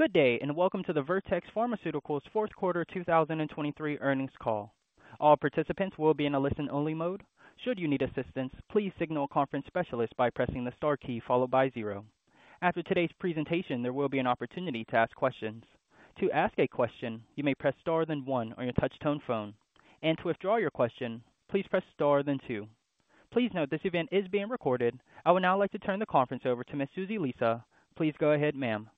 Good day, and welcome to the Vertex Pharmaceuticals fourth quarter 2023 earnings call. All participants will be in a listen-only mode. Should you need assistance, please signal a conference specialist by pressing the star key followed by zero. After today's presentation, there will be an opportunity to ask questions. To ask a question, you may press star then one on your touchtone phone, and to withdraw your question, please press star then two. Please note this event is being recorded. I would now like to turn the conference over to Ms. Susie Lisa. Please go ahead, ma'am.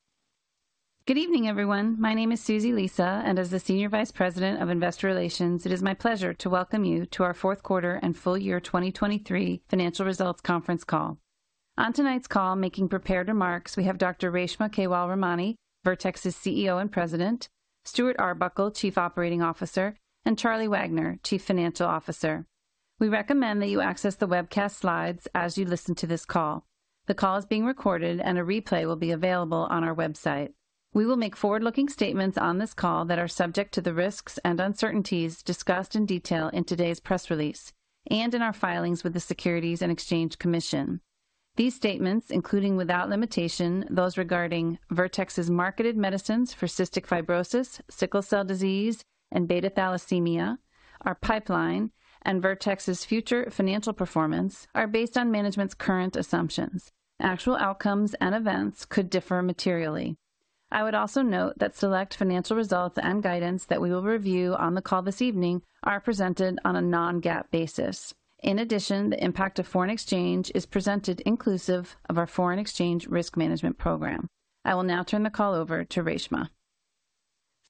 Good evening, everyone. My name is Susie Lisa, and as the Senior Vice President of Investor Relations, it is my pleasure to welcome you to our fourth quarter and full year 2023 financial results conference call. On tonight's call, making prepared remarks, we have Dr. Reshma Kewalramani, Vertex's CEO and President, Stuart Arbuckle, Chief Operating Officer, and Charlie Wagner, Chief Financial Officer. We recommend that you access the webcast slides as you listen to this call. The call is being recorded, and a replay will be available on our website. We will make forward-looking statements on this call that are subject to the risks and uncertainties discussed in detail in today's press release and in our filings with the Securities and Exchange Commission. These statements, including without limitation, those regarding Vertex's marketed medicines for cystic fibrosis, sickle cell disease, and beta thalassemia, our pipeline, and Vertex's future financial performance, are based on management's current assumptions. Actual outcomes and events could differ materially. I would also note that select financial results and guidance that we will review on the call this evening are presented on a non-GAAP basis. In addition, the impact of foreign exchange is presented inclusive of our foreign exchange risk management program. I will now turn the call over to Reshma.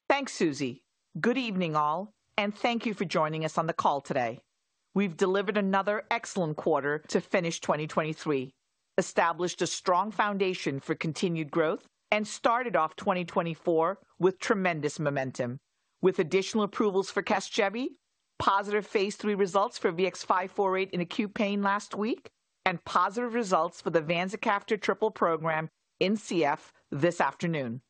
Thanks, Susie. Good evening, all, and thank you for joining us on the call today. We've delivered another excellent quarter to finish 2023, established a strong foundation for continued growth, and started off 2024 with tremendous momentum. With additional approvals for Casgevy, positive phase III results for VX-548 in acute pain last week, and positive results for the vanzacaftor triple program in CF this afternoon.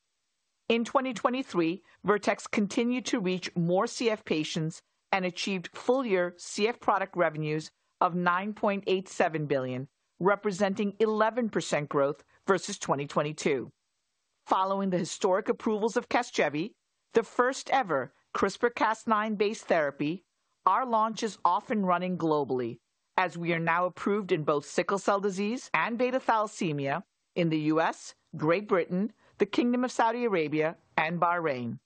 In 2023, Vertex continued to reach more CF patients and achieved full-year CF product revenues of $9.87 billion, representing 11% growth versus 2022. Following the historic approvals of Casgevy, the first-ever CRISPR-Cas9-based therapy, our launch is off and running globally as we are now approved in both sickle cell disease and beta thalassemia in the U.S., Great Britain, the Kingdom of Saudi Arabia, and Bahrain.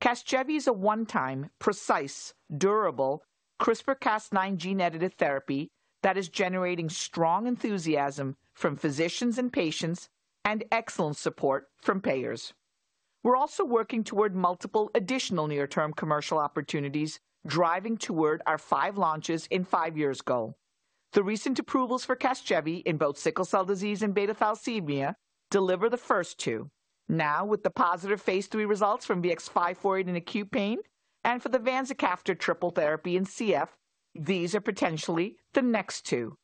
Casgevy is a one-time, precise, durable CRISPR-Cas9 gene-edited therapy that is generating strong enthusiasm from physicians and patients and excellent support from payers. We're also working toward multiple additional near-term commercial opportunities, driving toward our five launches in five years goal. The recent approvals for Casgevy in both sickle cell disease and beta thalassemia deliver the first two. Now, with the positive phase III results from VX-548 in acute pain and for the vanzacaftor triple therapy in CF, these are potentially the next two.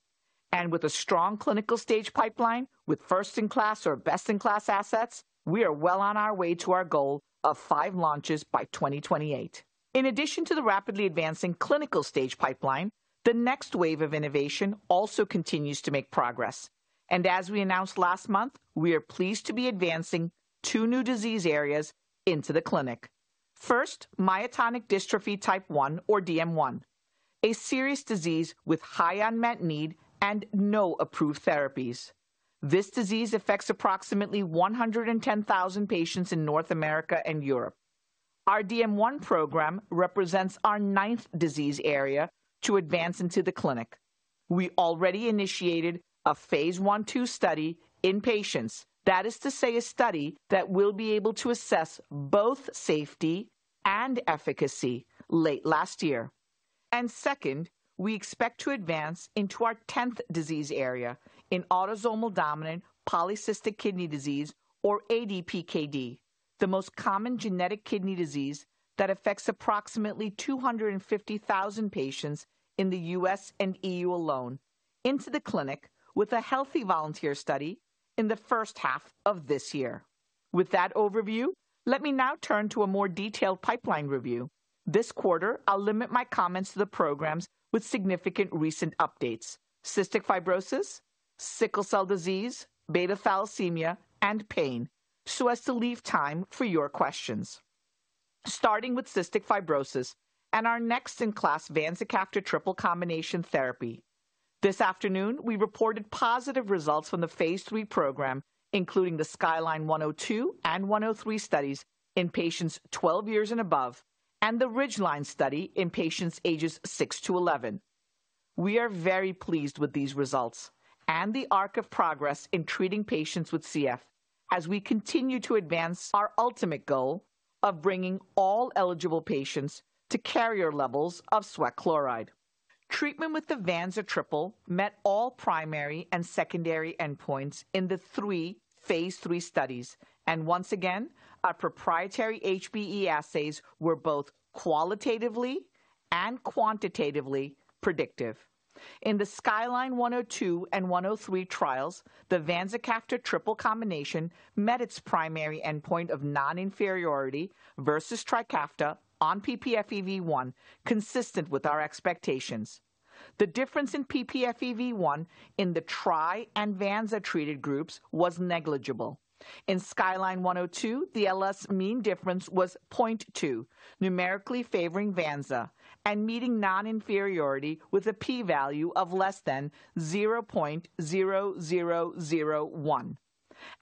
And with a strong clinical stage pipeline with first-in-class or best-in-class assets, we are well on our way to our goal of five launches by 2028. In addition to the rapidly advancing clinical stage pipeline, the next wave of innovation also continues to make progress. As we announced last month, we are pleased to be advancing two new disease areas into the clinic. First, myotonic dystrophy type 1, or DM1, a serious disease with high unmet need and no approved therapies. This disease affects approximately 110,000 patients in North America and Europe. Our DM1 program represents our ninth disease area to advance into the clinic. We already initiated a phase I/II study in patients, that is to say, a study that will be able to assess both safety and efficacy late last year. Second, we expect to advance into our tenth disease area in autosomal dominant polycystic kidney disease or ADPKD, the most common genetic kidney disease that affects approximately 250,000 patients in the U.S. and E.U. alone, into the clinic with a healthy volunteer study in the first half of this year. With that overview, let me now turn to a more detailed pipeline review. This quarter, I'll limit my comments to the programs with significant recent updates: cystic fibrosis, sickle cell disease, beta thalassemia, and pain, so as to leave time for your questions. Starting with cystic fibrosis and our next-in-class vanzacaftor triple combination therapy. This afternoon, we reported positive results from the Phase III program, including the SKYLINE 102 and 103 studies in patients 12 years and above, and the RIDGELINE study in patients ages six to 11. We are very pleased with these results and the arc of progress in treating patients with CF as we continue to advance our ultimate goal of bringing all eligible patients to carrier levels of sweat chloride. Treatment with the vanzacaftor triple met all primary and secondary endpoints in the three phase III studies, and once again, our proprietary HBE assays were both qualitatively and quantitatively predictive. In the SKYLINE-102 and 103 trials, the vanzacaftor triple combination met its primary endpoint of non-inferiority versus Trikafta on ppFEV1, consistent with our expectations. The difference in ppFEV1 in the Tri and Vanza-treated groups was negligible. In SKYLINE-102, the LS mean difference was 0.2, numerically favoring Vanza and meeting non-inferiority with a p-value of less than 0.0001.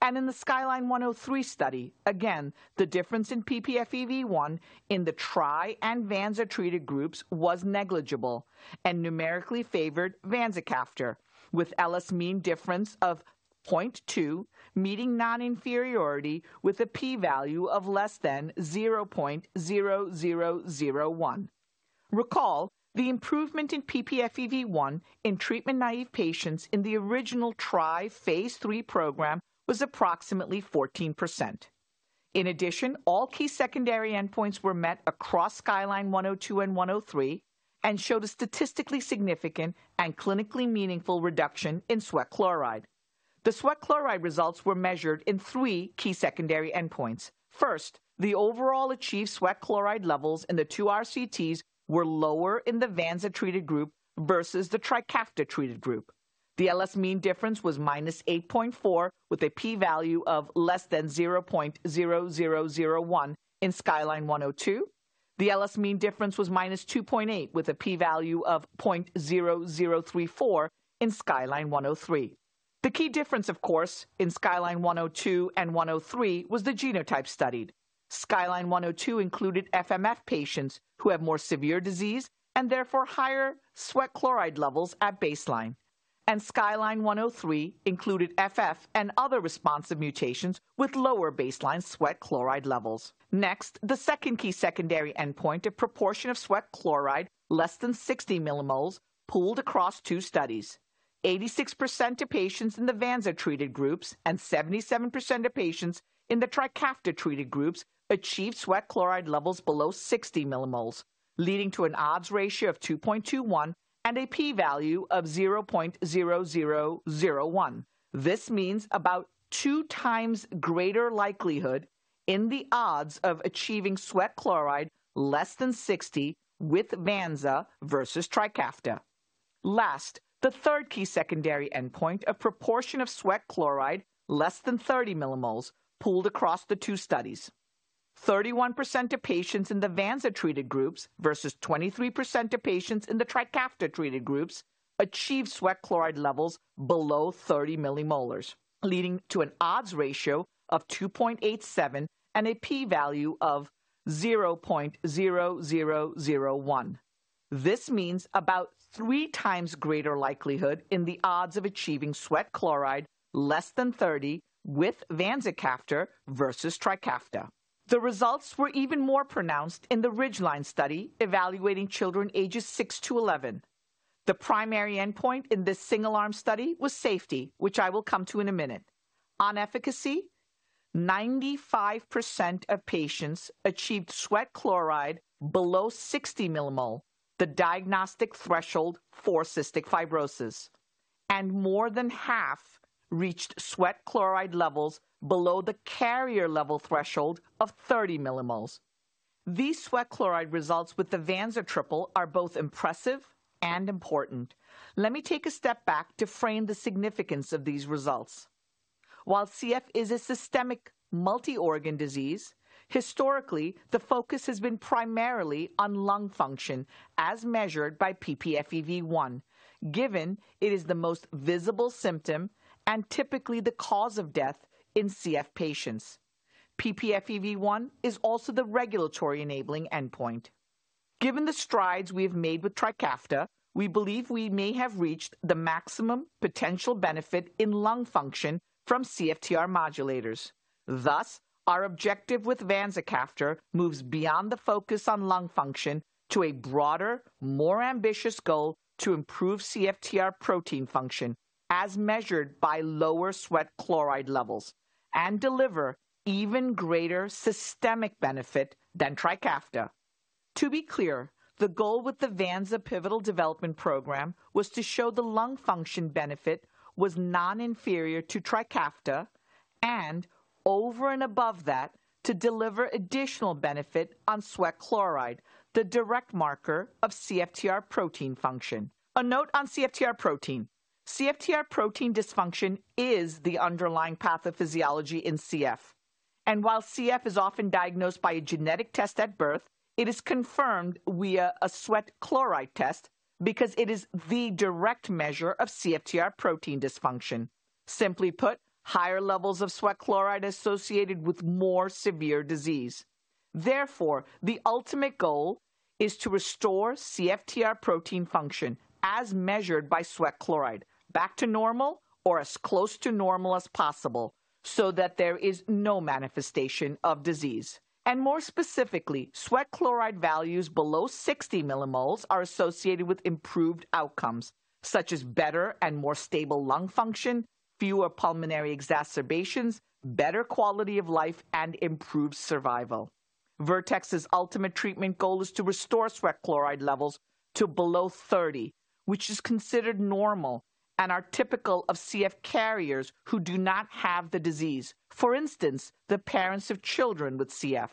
In the SKYLINE-103 study, again, the difference in ppFEV1 in the Tri and Vanza-treated groups was negligible and numerically favored vanzacaftor, with LS mean difference of 0.2, meeting non-inferiority with a p-value of less than 0.0001. Recall, the improvement in ppFEV1 in treatment-naive patients in the original Tri phase III program was approximately 14%. In addition, all key secondary endpoints were met across SKYLINE-102 and 103, and showed a statistically significant and clinically meaningful reduction in sweat chloride. The sweat chloride results were measured in three key secondary endpoints. First, the overall achieved sweat chloride levels in the two RCTs were lower in the Vanza-treated group versus the Trikafta-treated group. The LS mean difference was -8.4, with a p-value of less than 0.0001 in SKYLINE-102. The LS mean difference was -2.8, with a p-value of 0.0034 in SKYLINE-103. The key difference, of course, in SKYLINE-102 and 103, was the genotype studied. SKYLINE-102 included F/MF patients who have more severe disease and therefore higher sweat chloride levels at baseline. And SKYLINE-103 included FF and other responsive mutations with lower baseline sweat chloride levels. Next, the second key secondary endpoint of proportion of sweat chloride less than 60 millimoles, pooled across two studies. 86% of patients in the Vanza-treated groups and 77% of patients in the Trikafta-treated groups achieved sweat chloride levels below 60 millimoles, leading to an odds ratio of 2.21 and a p-value of 0.0001. This means about two times greater likelihood in the odds of achieving sweat chloride less than 60 with Vanza versus Trikafta. Last, the third key secondary endpoint, a proportion of sweat chloride less than 30 millimoles, pooled across the two studies. 31% of patients in the Vanza-treated groups versus 23% of patients in the Trikafta-treated groups achieved sweat chloride levels below 30 millimoles, leading to an odds ratio of 2.87 and a p-value of 0.0001. This means about three times greater likelihood in the odds of achieving sweat chloride less than 30 with vanzacaftor versus Trikafta. The results were even more pronounced in the RIDGELINE study evaluating children ages six to 11. The primary endpoint in this single-arm study was safety, which I will come to in a minute. On efficacy, 95% of patients achieved sweat chloride below 60 millimoles, the diagnostic threshold for cystic fibrosis, and more than half reached sweat chloride levels below the carrier level threshold of 30 millimoles. These sweat chloride results with the Vanza triple are both impressive and important. Let me take a step back to frame the significance of these results. While CF is a systemic multi-organ disease, historically, the focus has been primarily on lung function as measured by ppFEV1, given it is the most visible symptom and typically the cause of death in CF patients. ppFEV1 is also the regulatory enabling endpoint. Given the strides we have made with Trikafta, we believe we may have reached the maximum potential benefit in lung function from CFTR modulators. Thus, our objective with vanzacaftor moves beyond the focus on lung function to a broader, more ambitious goal to improve CFTR protein function as measured by lower sweat chloride levels, and deliver even greater systemic benefit than Trikafta. To be clear, the goal with the Vanza pivotal development program was to show the lung function benefit was non-inferior to Trikafta and over and above that, to deliver additional benefit on sweat chloride, the direct marker of CFTR protein function. A note on CFTR protein. CFTR protein dysfunction is the underlying pathophysiology in CF, and while CF is often diagnosed by a genetic test at birth, it is confirmed via a sweat chloride test because it is the direct measure of CFTR protein dysfunction. Simply put, higher levels of sweat chloride associated with more severe disease. Therefore, the ultimate goal is to restore CFTR protein function as measured by sweat chloride back to normal or as close to normal as possible, so that there is no manifestation of disease. More specifically, sweat chloride values below 60 millimoles are associated with improved outcomes, such as better and more stable lung function, fewer pulmonary exacerbations, better quality of life, and improved survival. Vertex's ultimate treatment goal is to restore sweat chloride levels to below 30, which is considered normal and are typical of CF carriers who do not have the disease, for instance, the parents of children with CF.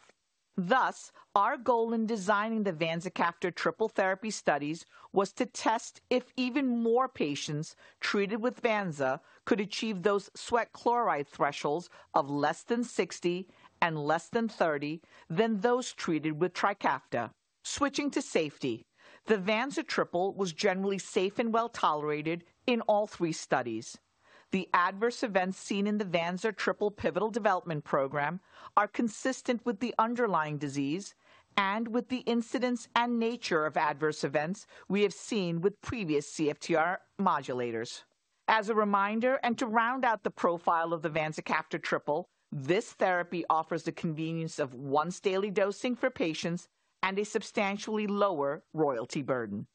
Thus, our goal in designing the vanzacaftor triple therapy studies was to test if even more patients treated with Vanza could achieve those sweat chloride thresholds of less than 60 and less than 30 than those treated with Trikafta. Switching to safety, the Vanza triple was generally safe and well-tolerated in all three studies. The adverse events seen in the Vanza triple pivotal development program are consistent with the underlying disease and with the incidence and nature of adverse events we have seen with previous CFTR modulators. As a reminder, and to round out the profile of the vanzacaftor triple, this therapy offers the convenience of once-daily dosing for patients and a substantially lower royalty burden.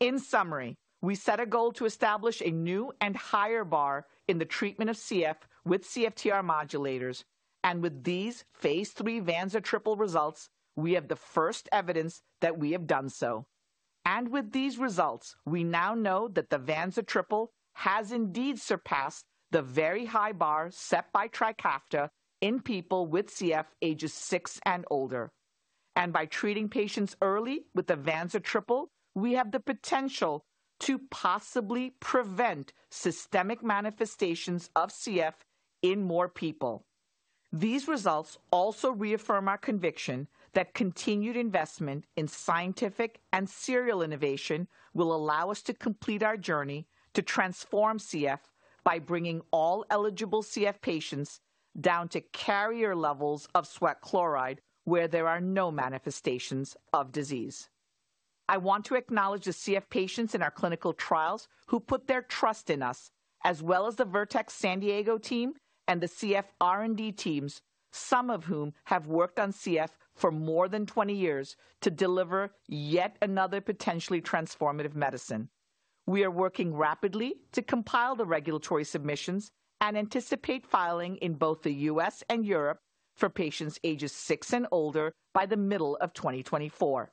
In summary, we set a goal to establish a new and higher bar in the treatment of CF with CFTR modulators, and with these Phase III Vanza triple results, we have the first evidence that we have done so. With these results, we now know that the Vanza triple has indeed surpassed the very high bar set by Trikafta in people with CF ages six and older. By treating patients early with the vanzacaftor triple, we have the potential to possibly prevent systemic manifestations of CF in more people. These results also reaffirm our conviction that continued investment in scientific and serial innovation will allow us to complete our journey to transform CF by bringing all eligible CF patients down to carrier levels of sweat chloride, where there are no manifestations of disease. I want to acknowledge the CF patients in our clinical trials who put their trust in us, as well as the Vertex San Diego team and the CF R&D teams, some of whom have worked on CF for more than 20 years, to deliver yet another potentially transformative medicine. We are working rapidly to compile the regulatory submissions and anticipate filing in both the U.S. and Europe for patients ages six and older by the middle of 2024.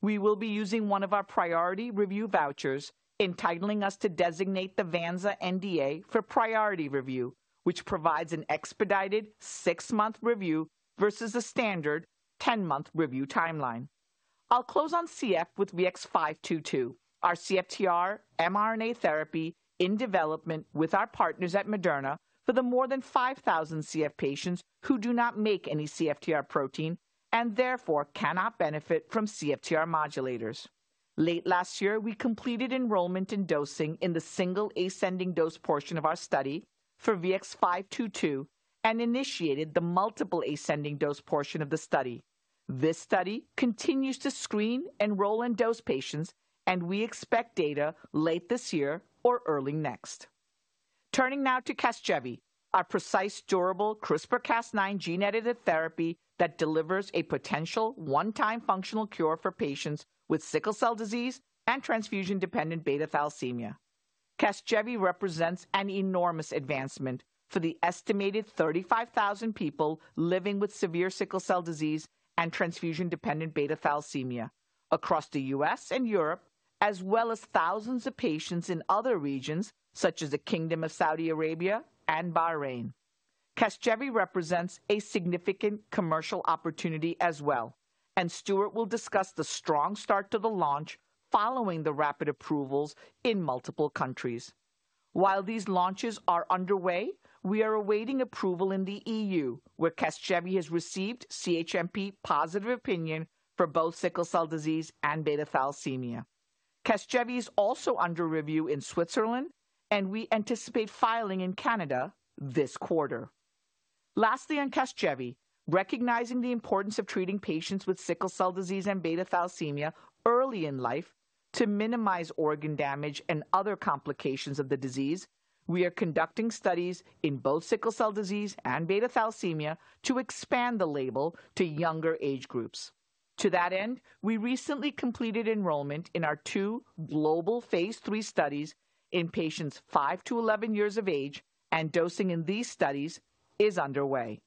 We will be using one of our priority review vouchers, entitling us to designate the vanzacaftor NDA for priority review, which provides an expedited six-month review versus a standard 10-month review timeline. I'll close on CF with VX-522, our CFTR mRNA therapy in development with our partners at Moderna for the more than 5,000 CF patients who do not make any CFTR protein and therefore cannot benefit from CFTR modulators. Late last year, we completed enrollment in dosing in the single ascending dose portion of our study for VX-522 and initiated the multiple ascending dose portion of the study. This study continues to screen, enroll, and dose patients, and we expect data late this year or early next. Turning now to Casgevy, our precise, durable CRISPR-Cas9 gene-edited therapy that delivers a potential one-time functional cure for patients with sickle cell disease and transfusion-dependent beta thalassemia. Casgevy represents an enormous advancement for the estimated 35,000 people living with severe sickle cell disease and transfusion-dependent beta thalassemia across the U.S. and Europe, as well as thousands of patients in other regions such as the Kingdom of Saudi Arabia and Bahrain. Casgevy represents a significant commercial opportunity as well, and Stuart will discuss the strong start to the launch following the rapid approvals in multiple countries. While these launches are underway, we are awaiting approval in the E.U., where Casgevy has received CHMP positive opinion for both sickle cell disease and beta thalassemia. Casgevy is also under review in Switzerland, and we anticipate filing in Canada this quarter. Lastly, on Casgevy, recognizing the importance of treating patients with sickle cell disease and beta thalassemia early in life to minimize organ damage and other complications of the disease, we are conducting studies in both sickle cell disease and beta thalassemia to expand the label to younger age groups. To that end, we recently completed enrollment in our two global phase III studies in patients five to 11 years of age, and dosing in these studies is underway.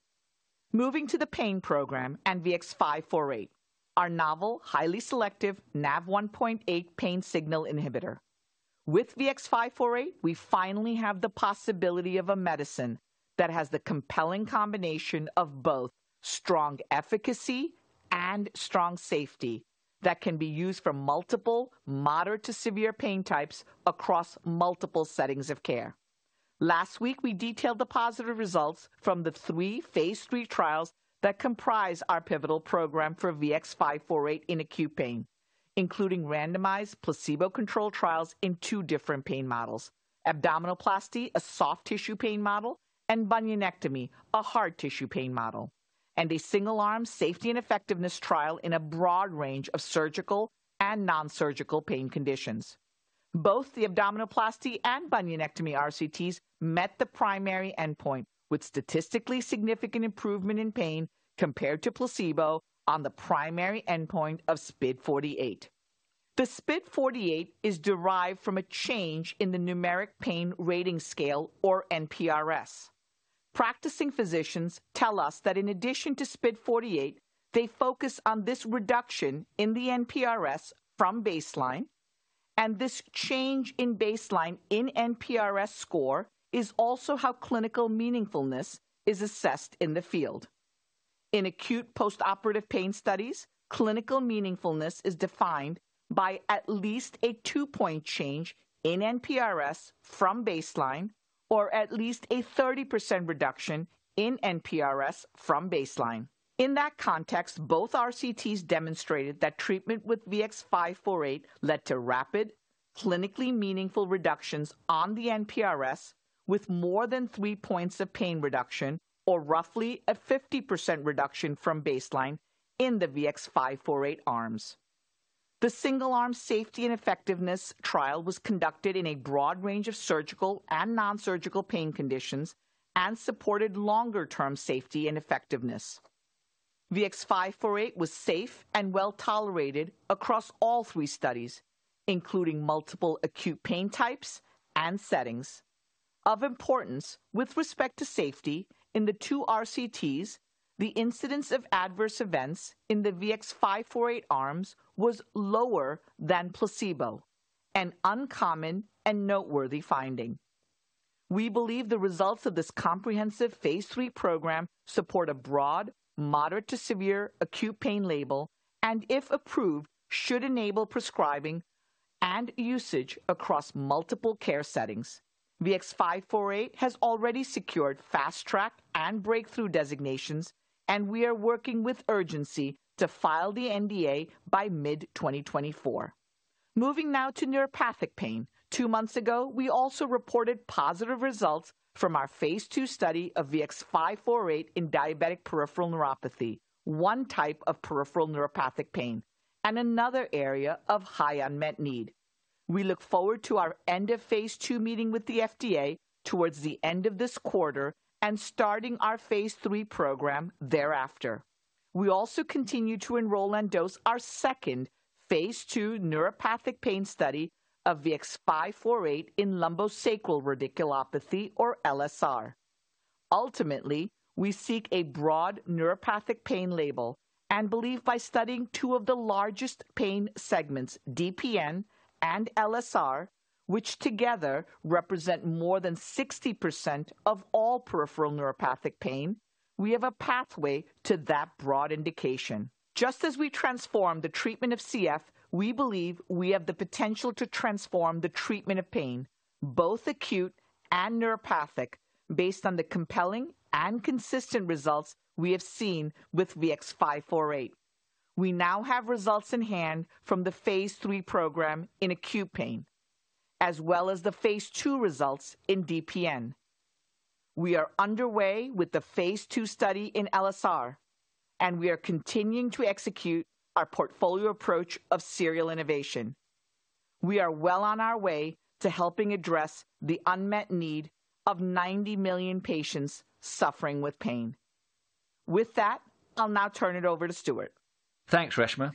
Moving to the pain program and VX-548, our novel, highly selective NaV1.8 pain signal inhibitor. With VX-548, we finally have the possibility of a medicine that has the compelling combination of both strong efficacy and strong safety that can be used for multiple moderate to severe pain types across multiple settings of care. Last week, we detailed the positive results from the three phase III trials that comprise our pivotal program for VX-548 in acute pain, including randomized placebo-controlled trials in two different pain models: abdominoplasty, a soft tissue pain model, and bunionectomy, a hard tissue pain model, and a single-arm safety and effectiveness trial in a broad range of surgical and nonsurgical pain conditions. Both the abdominoplasty and bunionectomy RCTs met the primary endpoint with statistically significant improvement in pain compared to placebo on the primary endpoint of SPID48. The SPID48 is derived from a change in the Numeric Pain Rating Scale or NPRS. Practicing physicians tell us that in addition to SPID48, they focus on this reduction in the NPRS from baseline, and this change in baseline in NPRS score is also how clinical meaningfulness is assessed in the field. In acute postoperative pain studies, clinical meaningfulness is defined by at least a two-point change in NPRS from baseline, or at least a 30% reduction in NPRS from baseline. In that context, both RCTs demonstrated that treatment with VX-548 led to rapid, clinically meaningful reductions on the NPRS, with more than three points of pain reduction, or roughly a 50% reduction from baseline in the VX-548 arms. The single-arm safety and effectiveness trial was conducted in a broad range of surgical and non-surgical pain conditions and supported longer-term safety and effectiveness. VX-548 was safe and well-tolerated across all three studies, including multiple acute pain types and settings. Of importance, with respect to safety in the two RCTs, the incidence of adverse events in the VX-548 arms was lower than placebo, an uncommon and noteworthy finding. We believe the results of this comprehensive phase III program support a broad, moderate to severe acute pain label, and if approved, should enable prescribing and usage across multiple care settings. VX-548 has already secured Fast Track and Breakthrough designations, and we are working with urgency to file the NDA by mid-2024. Moving now to neuropathic pain. Two months ago, we also reported positive results from our phase II study of VX-548 in diabetic peripheral neuropathy, one type of peripheral neuropathic pain and another area of high unmet need. We look forward to our end of phase II meeting with the FDA towards the end of this quarter and starting our phase III program thereafter. We also continue to enroll and dose our second phase II neuropathic pain study of VX-548 in lumbosacral radiculopathy or LSR. Ultimately, we seek a broad neuropathic pain label and believe by studying two of the largest pain segments, DPN and LSR, which together represent more than 60% of all peripheral neuropathic pain, we have a pathway to that broad indication. Just as we transform the treatment of CF, we believe we have the potential to transform the treatment of pain, both acute and neuropathic, based on the compelling and consistent results we have seen with VX-548. We now have results in hand from the phase III program in acute pain, as well as the phase II results in DPN. We are underway with the phase II study in LSR, and we are continuing to execute our portfolio approach of serial innovation. We are well on our way to helping address the unmet need of 90 million patients suffering with pain. With that, I'll now turn it over to Stuart. Thanks, Reshma.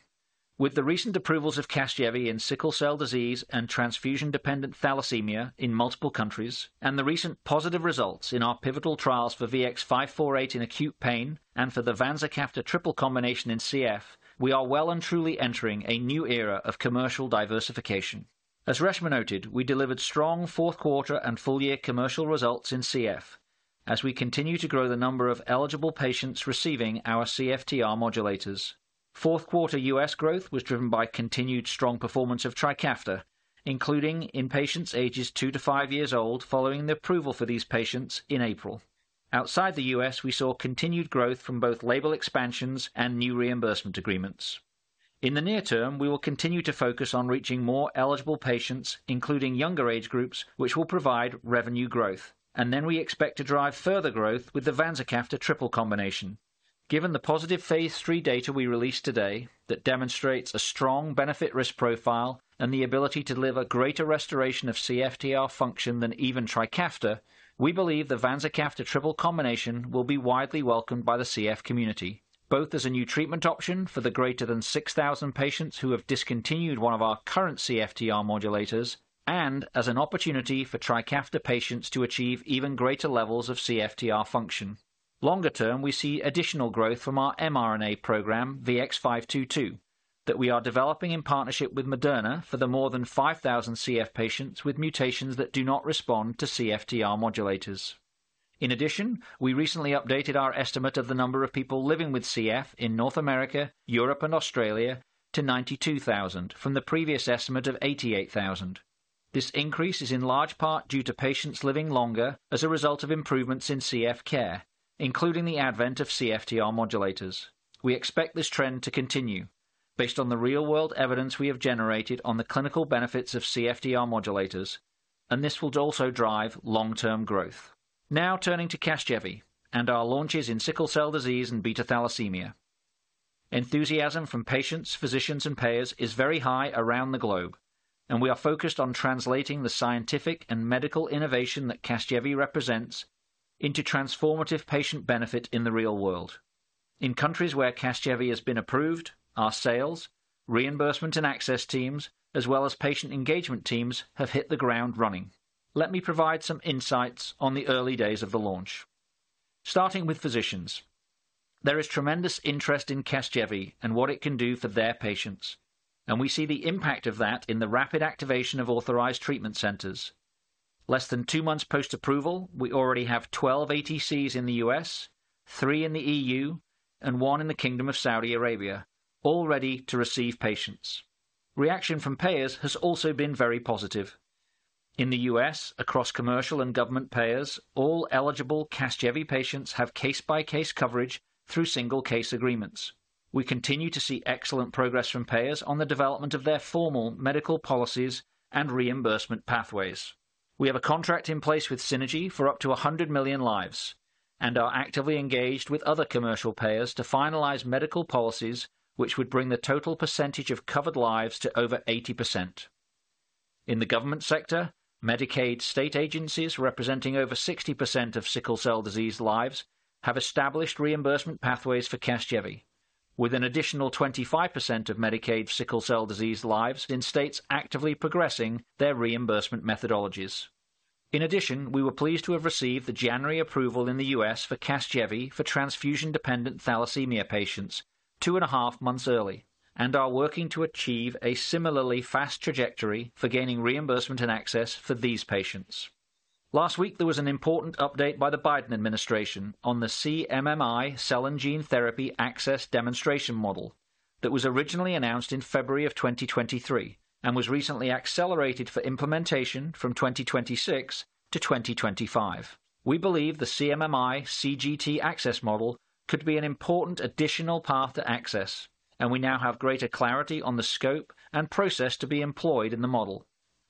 With the recent approvals of Casgevy in sickle cell disease and transfusion-dependent thalassemia in multiple countries, and the recent positive results in our pivotal trials for VX-548 in acute pain and for the vanzacaftor triple combination in CF, we are well and truly entering a new era of commercial diversification. As Reshma noted, we delivered strong fourth quarter and full-year commercial results in CF as we continue to grow the number of eligible patients receiving our CFTR modulators. Fourth quarter U.S. growth was driven by continued strong performance of Trikafta, including in patients ages two to five years old, following the approval for these patients in April. Outside the U.S., we saw continued growth from both label expansions and new reimbursement agreements. In the near term, we will continue to focus on reaching more eligible patients, including younger age groups, which will provide revenue growth, and then we expect to drive further growth with the vanzacaftor triple combination. Given the positive phase III data we released today that demonstrates a strong benefit risk profile and the ability to deliver greater restoration of CFTR function than even Trikafta, we believe the vanzacaftor triple combination will be widely welcomed by the CF community, both as a new treatment option for the greater than 6,000 patients who have discontinued one of our current CFTR modulators and as an opportunity for Trikafta patients to achieve even greater levels of CFTR function. Longer term, we see additional growth from our mRNA program, VX-522, that we are developing in partnership with Moderna for the more than 5,000 CF patients with mutations that do not respond to CFTR modulators. In addition, we recently updated our estimate of the number of people living with CF in North America, Europe, and Australia to 92,000 from the previous estimate of 88,000. This increase is in large part due to patients living longer as a result of improvements in CF care, including the advent of CFTR modulators. We expect this trend to continue based on the real-world evidence we have generated on the clinical benefits of CFTR modulators, and this will also drive long-term growth. Now, turning to Casgevy and our launches in sickle cell disease and beta thalassemia. Enthusiasm from patients, physicians, and payers is very high around the globe, and we are focused on translating the scientific and medical innovation that Casgevy represents into transformative patient benefit in the real world.... In countries where Casgevy has been approved, our sales, reimbursement and access teams, as well as patient engagement teams, have hit the ground running. Let me provide some insights on the early days of the launch. Starting with physicians, there is tremendous interest in Casgevy and what it can do for their patients, and we see the impact of that in the rapid activation of authorized treatment centers. Less than two months post-approval, we already have 12 ATCs in the U.S., three in the E.U., and one in the Kingdom of Saudi Arabia, all ready to receive patients. Reaction from payers has also been very positive. In the U.S., across commercial and government payers, all eligible Casgevy patients have case-by-case coverage through single case agreements. We continue to see excellent progress from payers on the development of their formal medical policies and reimbursement pathways. We have a contract in place with Synergie for up to 100 million lives and are actively engaged with other commercial payers to finalize medical policies, which would bring the total percentage of covered lives to over 80%. In the government sector, Medicaid state agencies, representing over 60% of sickle cell disease lives, have established reimbursement pathways for Casgevy, with an additional 25% of Medicaid sickle cell disease lives in states actively progressing their reimbursement methodologies. In addition, we were pleased to have received the January approval in the U.S. for Casgevy for transfusion-dependent thalassemia patients 2.5 months early and are working to achieve a similarly fast trajectory for gaining reimbursement and access for these patients. Last week, there was an important update by the Biden administration on the CMMI Cell and Gene Therapy Access Demonstration model that was originally announced in February of 2023 and was recently accelerated for implementation from 2026 to 2025. We believe the CMMI CGT Access Model could be an important additional path to access, and we now have greater clarity on the scope and process to be employed in the model.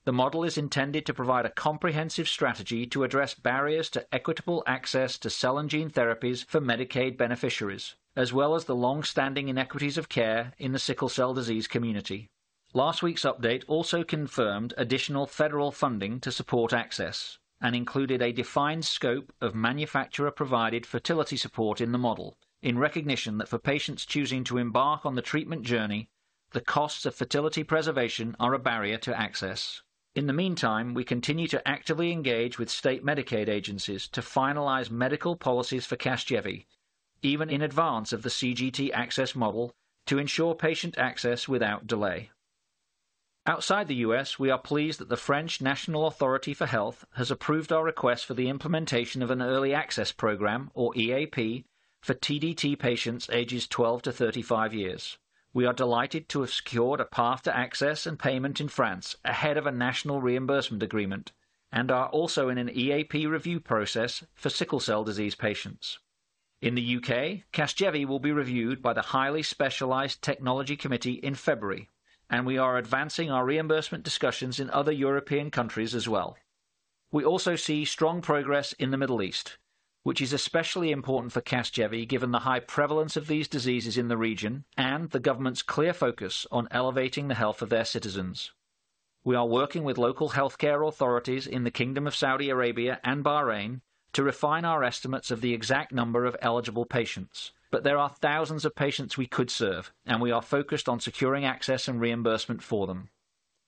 The model is intended to provide a comprehensive strategy to address barriers to equitable access to cell and gene therapies for Medicaid beneficiaries, as well as the long-standing inequities of care in the sickle cell disease community. Last week's update also confirmed additional federal funding to support access and included a defined scope of manufacturer-provided fertility support in the model, in recognition that for patients choosing to embark on the treatment journey, the costs of fertility preservation are a barrier to access. In the meantime, we continue to actively engage with state Medicaid agencies to finalize medical policies for Casgevy, even in advance of the CGT Access Model, to ensure patient access without delay. Outside the U.S., we are pleased that the French National Authority for Health has approved our request for the implementation of an early access program, or EAP, for TDT patients ages 12-35 years. We are delighted to have secured a path to access and payment in France ahead of a national reimbursement agreement and are also in an EAP review process for sickle cell disease patients. In the U.K., Casgevy will be reviewed by the Highly Specialized Technology Committee in February, and we are advancing our reimbursement discussions in other European countries as well. We also see strong progress in the Middle East, which is especially important for Casgevy, given the high prevalence of these diseases in the region and the government's clear focus on elevating the health of their citizens. We are working with local healthcare authorities in the Kingdom of Saudi Arabia and Bahrain to refine our estimates of the exact number of eligible patients. But there are thousands of patients we could serve, and we are focused on securing access and reimbursement for them.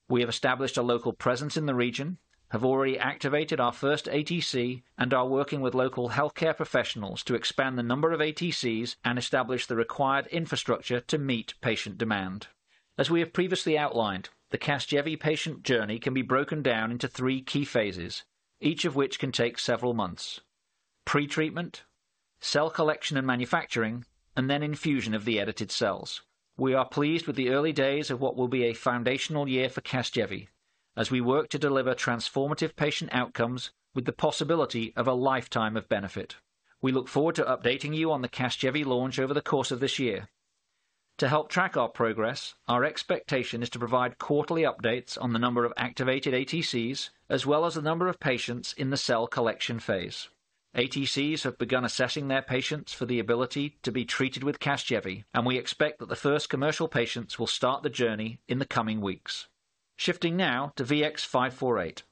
We have established a local presence in the region, have already activated our first ATC, and are working with local healthcare professionals to expand the number of ATCs and establish the required infrastructure to meet patient demand. As we have previously outlined, the Casgevy patient journey can be broken down into three key phases, each of which can take several months: pre-treatment, cell collection and manufacturing, and then infusion of the edited cells. We are pleased with the early days of what will be a foundational year for Casgevy as we work to deliver transformative patient outcomes with the possibility of a lifetime of benefit. We look forward to updating you on the Casgevy launch over the course of this year. To help track our progress, our expectation is to provide quarterly updates on the number of activated ATCs as well as the number of patients in the cell collection phase. ATCs have begun assessing their patients for the ability to be treated with Casgevy, and we expect that the first commercial patients will start the journey in the coming weeks. Shifting now to VX-548.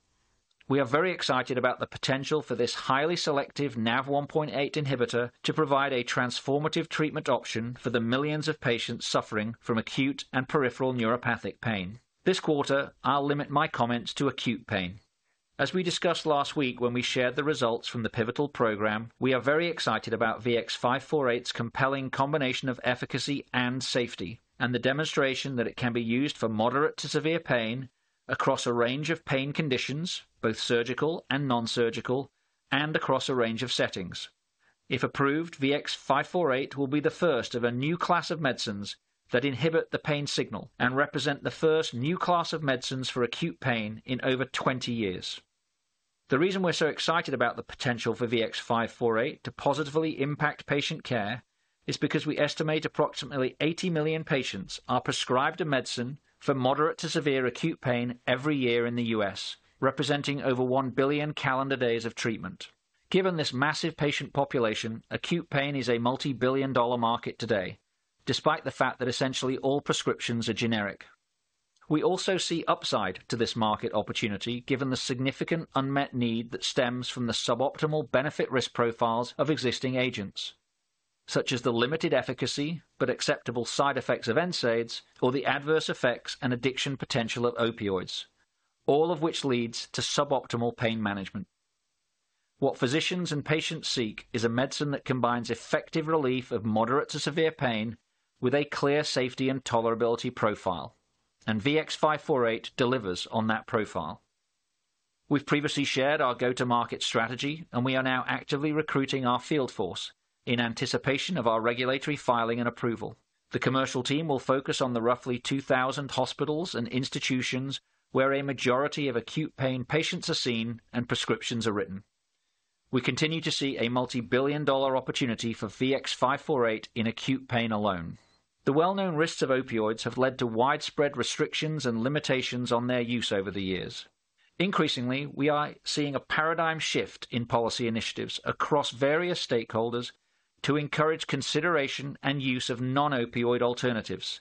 We are very excited about the potential for this highly selective NaV1.8 inhibitor to provide a transformative treatment option for the millions of patients suffering from acute and peripheral neuropathic pain. This quarter, I'll limit my comments to acute pain. As we discussed last week when we shared the results from the pivotal program, we are very excited about VX-548's compelling combination of efficacy and safety, and the demonstration that it can be used for moderate to severe pain across a range of pain conditions, both surgical and nonsurgical, and across a range of settings. If approved, VX-548 will be the first of a new class of medicines that inhibit the pain signal and represent the first new class of medicines for acute pain in over 20 years. The reason we're so excited about the potential for VX-548 to positively impact patient care is because we estimate approximately 80 million patients are prescribed a medicine for moderate to severe acute pain every year in the U.S., representing over 1 billion calendar days of treatment. Given this massive patient population, acute pain is a multibillion-dollar market today, despite the fact that essentially all prescriptions are generic. We also see upside to this market opportunity, given the significant unmet need that stems from the suboptimal benefit-risk profiles of existing agents, such as the limited efficacy, but acceptable side effects of NSAIDs or the adverse effects and addiction potential of opioids, all of which leads to suboptimal pain management. What physicians and patients seek is a medicine that combines effective relief of moderate to severe pain with a clear safety and tolerability profile, and VX-548 delivers on that profile. We've previously shared our go-to-market strategy, and we are now actively recruiting our field force in anticipation of our regulatory filing and approval. The commercial team will focus on the roughly 2,000 hospitals and institutions where a majority of acute pain patients are seen and prescriptions are written. We continue to see a multibillion-dollar opportunity for VX-548 in acute pain alone. The well-known risks of opioids have led to widespread restrictions and limitations on their use over the years. Increasingly, we are seeing a paradigm shift in policy initiatives across various stakeholders to encourage consideration and use of non-opioid alternatives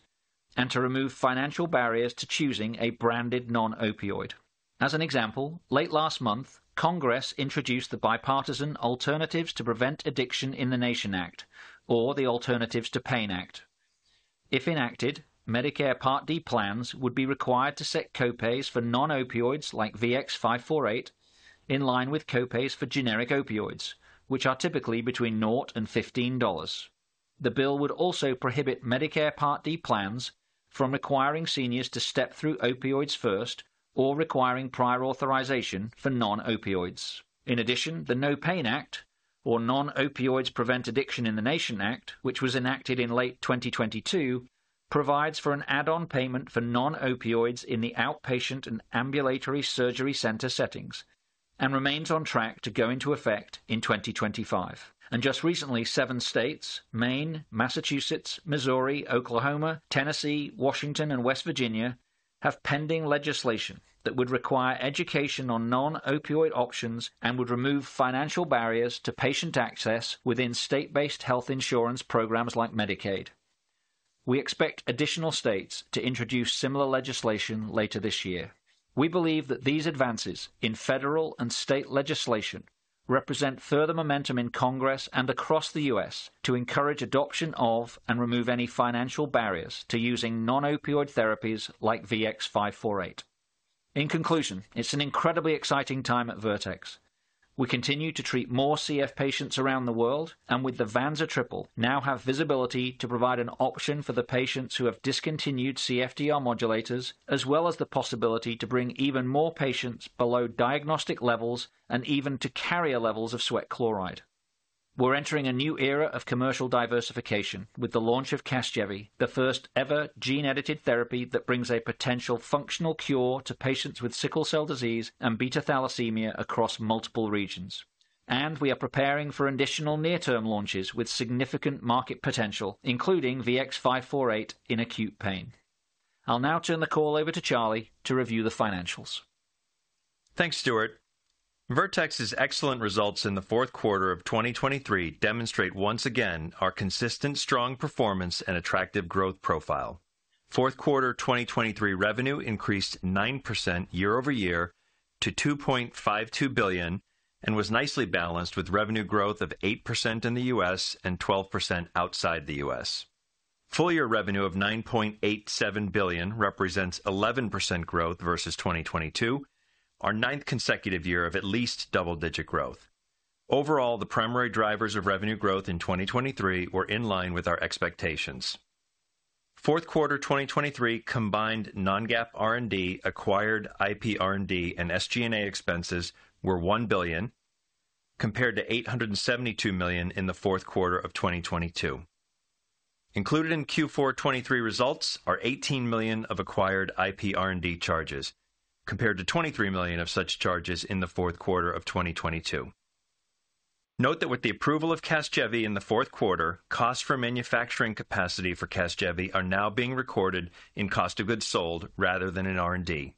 and to remove financial barriers to choosing a branded non-opioid. As an example, late last month, Congress introduced the Bipartisan Alternatives to Prevent Addiction in the Nation Act, or the Alternatives to PAIN Act. If enacted, Medicare Part D plans would be required to set copays for non-opioids like VX-548, in line with copays for generic opioids, which are typically between $0-$15. The bill would also prohibit Medicare Part D plans from requiring seniors to step through opioids first or requiring prior authorization for non-opioids. In addition, the NO PAIN Act, or Non-Opioids Prevent Addiction in the Nation Act, which was enacted in late 2022, provides for an add-on payment for non-opioids in the outpatient and ambulatory surgery center settings and remains on track to go into effect in 2025. Just recently, seven states, Maine, Massachusetts, Missouri, Oklahoma, Tennessee, Washington, and West Virginia, have pending legislation that would require education on non-opioid options and would remove financial barriers to patient access within state-based health insurance programs like Medicaid. We expect additional states to introduce similar legislation later this year. We believe that these advances in federal and state legislation represent further momentum in Congress and across the U.S. to encourage adoption of and remove any financial barriers to using non-opioid therapies like VX-548. In conclusion, it's an incredibly exciting time at Vertex. We continue to treat more CF patients around the world, and with the vanzacaftor triple, now have visibility to provide an option for the patients who have discontinued CFTR modulators, as well as the possibility to bring even more patients below diagnostic levels and even to carrier levels of sweat chloride. We're entering a new era of commercial diversification with the launch of Casgevy, the first-ever gene-edited therapy that brings a potential functional cure to patients with sickle cell disease and beta thalassemia across multiple regions. We are preparing for additional near-term launches with significant market potential, including VX-548 in acute pain. I'll now turn the call over to Charlie to review the financials. Thanks, Stuart. Vertex's excellent results in the fourth quarter of 2023 demonstrate once again our consistent strong performance and attractive growth profile. Fourth quarter 2023 revenue increased 9% year-over-year to $2.52 billion and was nicely balanced, with revenue growth of 8% in the U.S. and 12% outside the U.S. Full-year revenue of $9.87 billion represents 11% growth versus 2022, our ninth consecutive year of at least double-digit growth. Overall, the primary drivers of revenue growth in 2023 were in line with our expectations. Fourth quarter 2023 combined non-GAAP R&D, acquired IP R&D, and SG&A expenses were $1 billion, compared to $872 million in the fourth quarter of 2022. Included in Q4 2023 results are $18 million of acquired IP R&D charges, compared to $23 million of such charges in the fourth quarter of 2022. Note that with the approval of Casgevy in the fourth quarter, costs for manufacturing capacity for Casgevy are now being recorded in cost of goods sold rather than in R&D.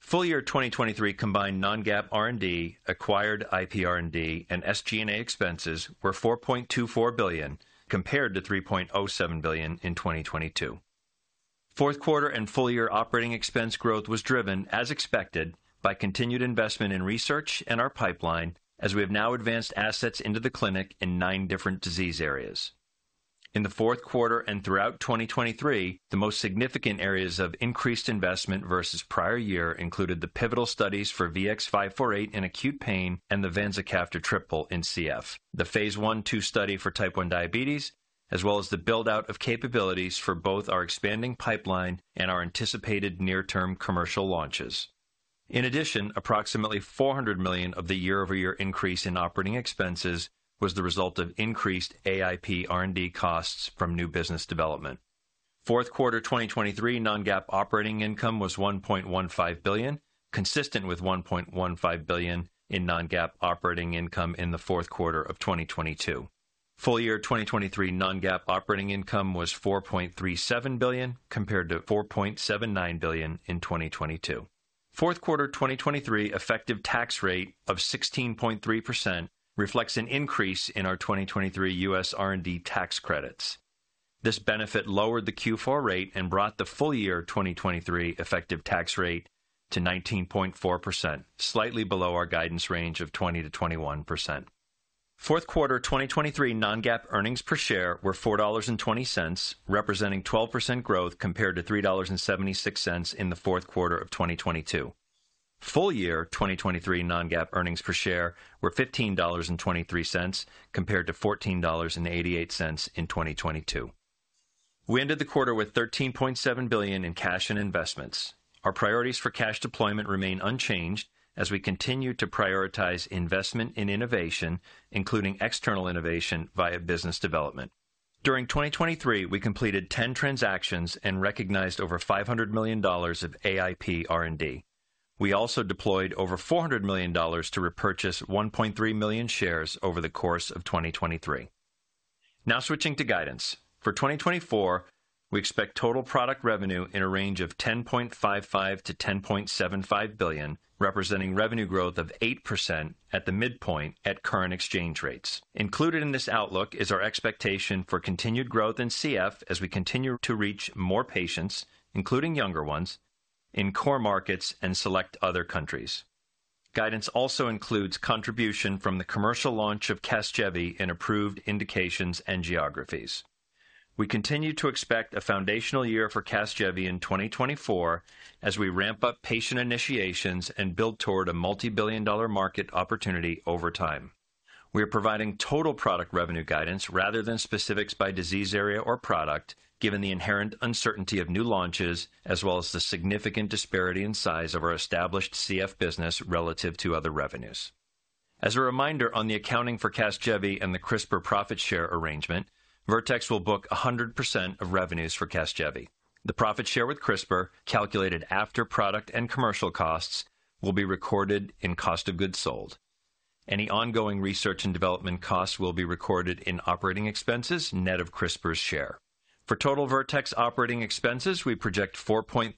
Full-year 2023 combined non-GAAP R&D, acquired IP R&D, and SG&A expenses were $4.24 billion, compared to $3.07 billion in 2022. Fourth quarter and full-year operating expense growth was driven, as expected, by continued investment in research and our pipeline, as we have now advanced assets into the clinic in nine different disease areas. In the fourth quarter and throughout 2023, the most significant areas of increased investment versus prior year included the pivotal studies for VX-548 in acute pain and the vanzacaftor triple in CF, the phase I/II study for type one diabetes, as well as the build-out of capabilities for both our expanding pipeline and our anticipated near-term commercial launches. In addition, approximately $400 million of the year-over-year increase in operating expenses was the result of increased acquired IP R&D costs from new business development. Fourth quarter 2023 non-GAAP operating income was $1.15 billion, consistent with $1.15 billion in non-GAAP operating income in the fourth quarter of 2022. Full-year 2023 non-GAAP operating income was $4.37 billion, compared to $4.79 billion in 2022. Fourth quarter 2023 effective tax rate of 16.3% reflects an increase in our 2023 U.S. R&D tax credits. This benefit lowered the Q4 rate and brought the full year 2023 effective tax rate to 19.4%, slightly below our guidance range of 20%-21%. Fourth quarter 2023 non-GAAP earnings per share were $4.20, representing 12% growth compared to $3.76 in the fourth quarter of 2022. Full year 2023 non-GAAP earnings per share were $15.23, compared to $14.88 in 2022. We ended the quarter with $13.7 billion in cash and investments. Our priorities for cash deployment remain unchanged as we continue to prioritize investment in innovation, including external innovation via business development. During 2023, we completed 10 transactions and recognized over $500 million of AIP R&D. We also deployed over $400 million to repurchase 1.3 million shares over the course of 2023. Now switching to guidance. For 2024, we expect total product revenue in a range of $10.55 billion-$10.75 billion, representing revenue growth of 8% at the midpoint at current exchange rates. Included in this outlook is our expectation for continued growth in CF as we continue to reach more patients, including younger ones, in core markets and select other countries. Guidance also includes contribution from the commercial launch of Casgevy in approved indications and geographies. We continue to expect a foundational year for Casgevy in 2024 as we ramp up patient initiations and build toward a multi-billion dollar market opportunity over time. We are providing total product revenue guidance rather than specifics by disease area or product, given the inherent uncertainty of new launches, as well as the significant disparity in size of our established CF business relative to other revenues. As a reminder on the accounting for Casgevy and the CRISPR profit share arrangement, Vertex will book 100% of revenues for Casgevy. The profit share with CRISPR, calculated after product and commercial costs, will be recorded in cost of goods sold. Any ongoing research and development costs will be recorded in operating expenses, net of CRISPR's share. For total Vertex operating expenses, we project $4.3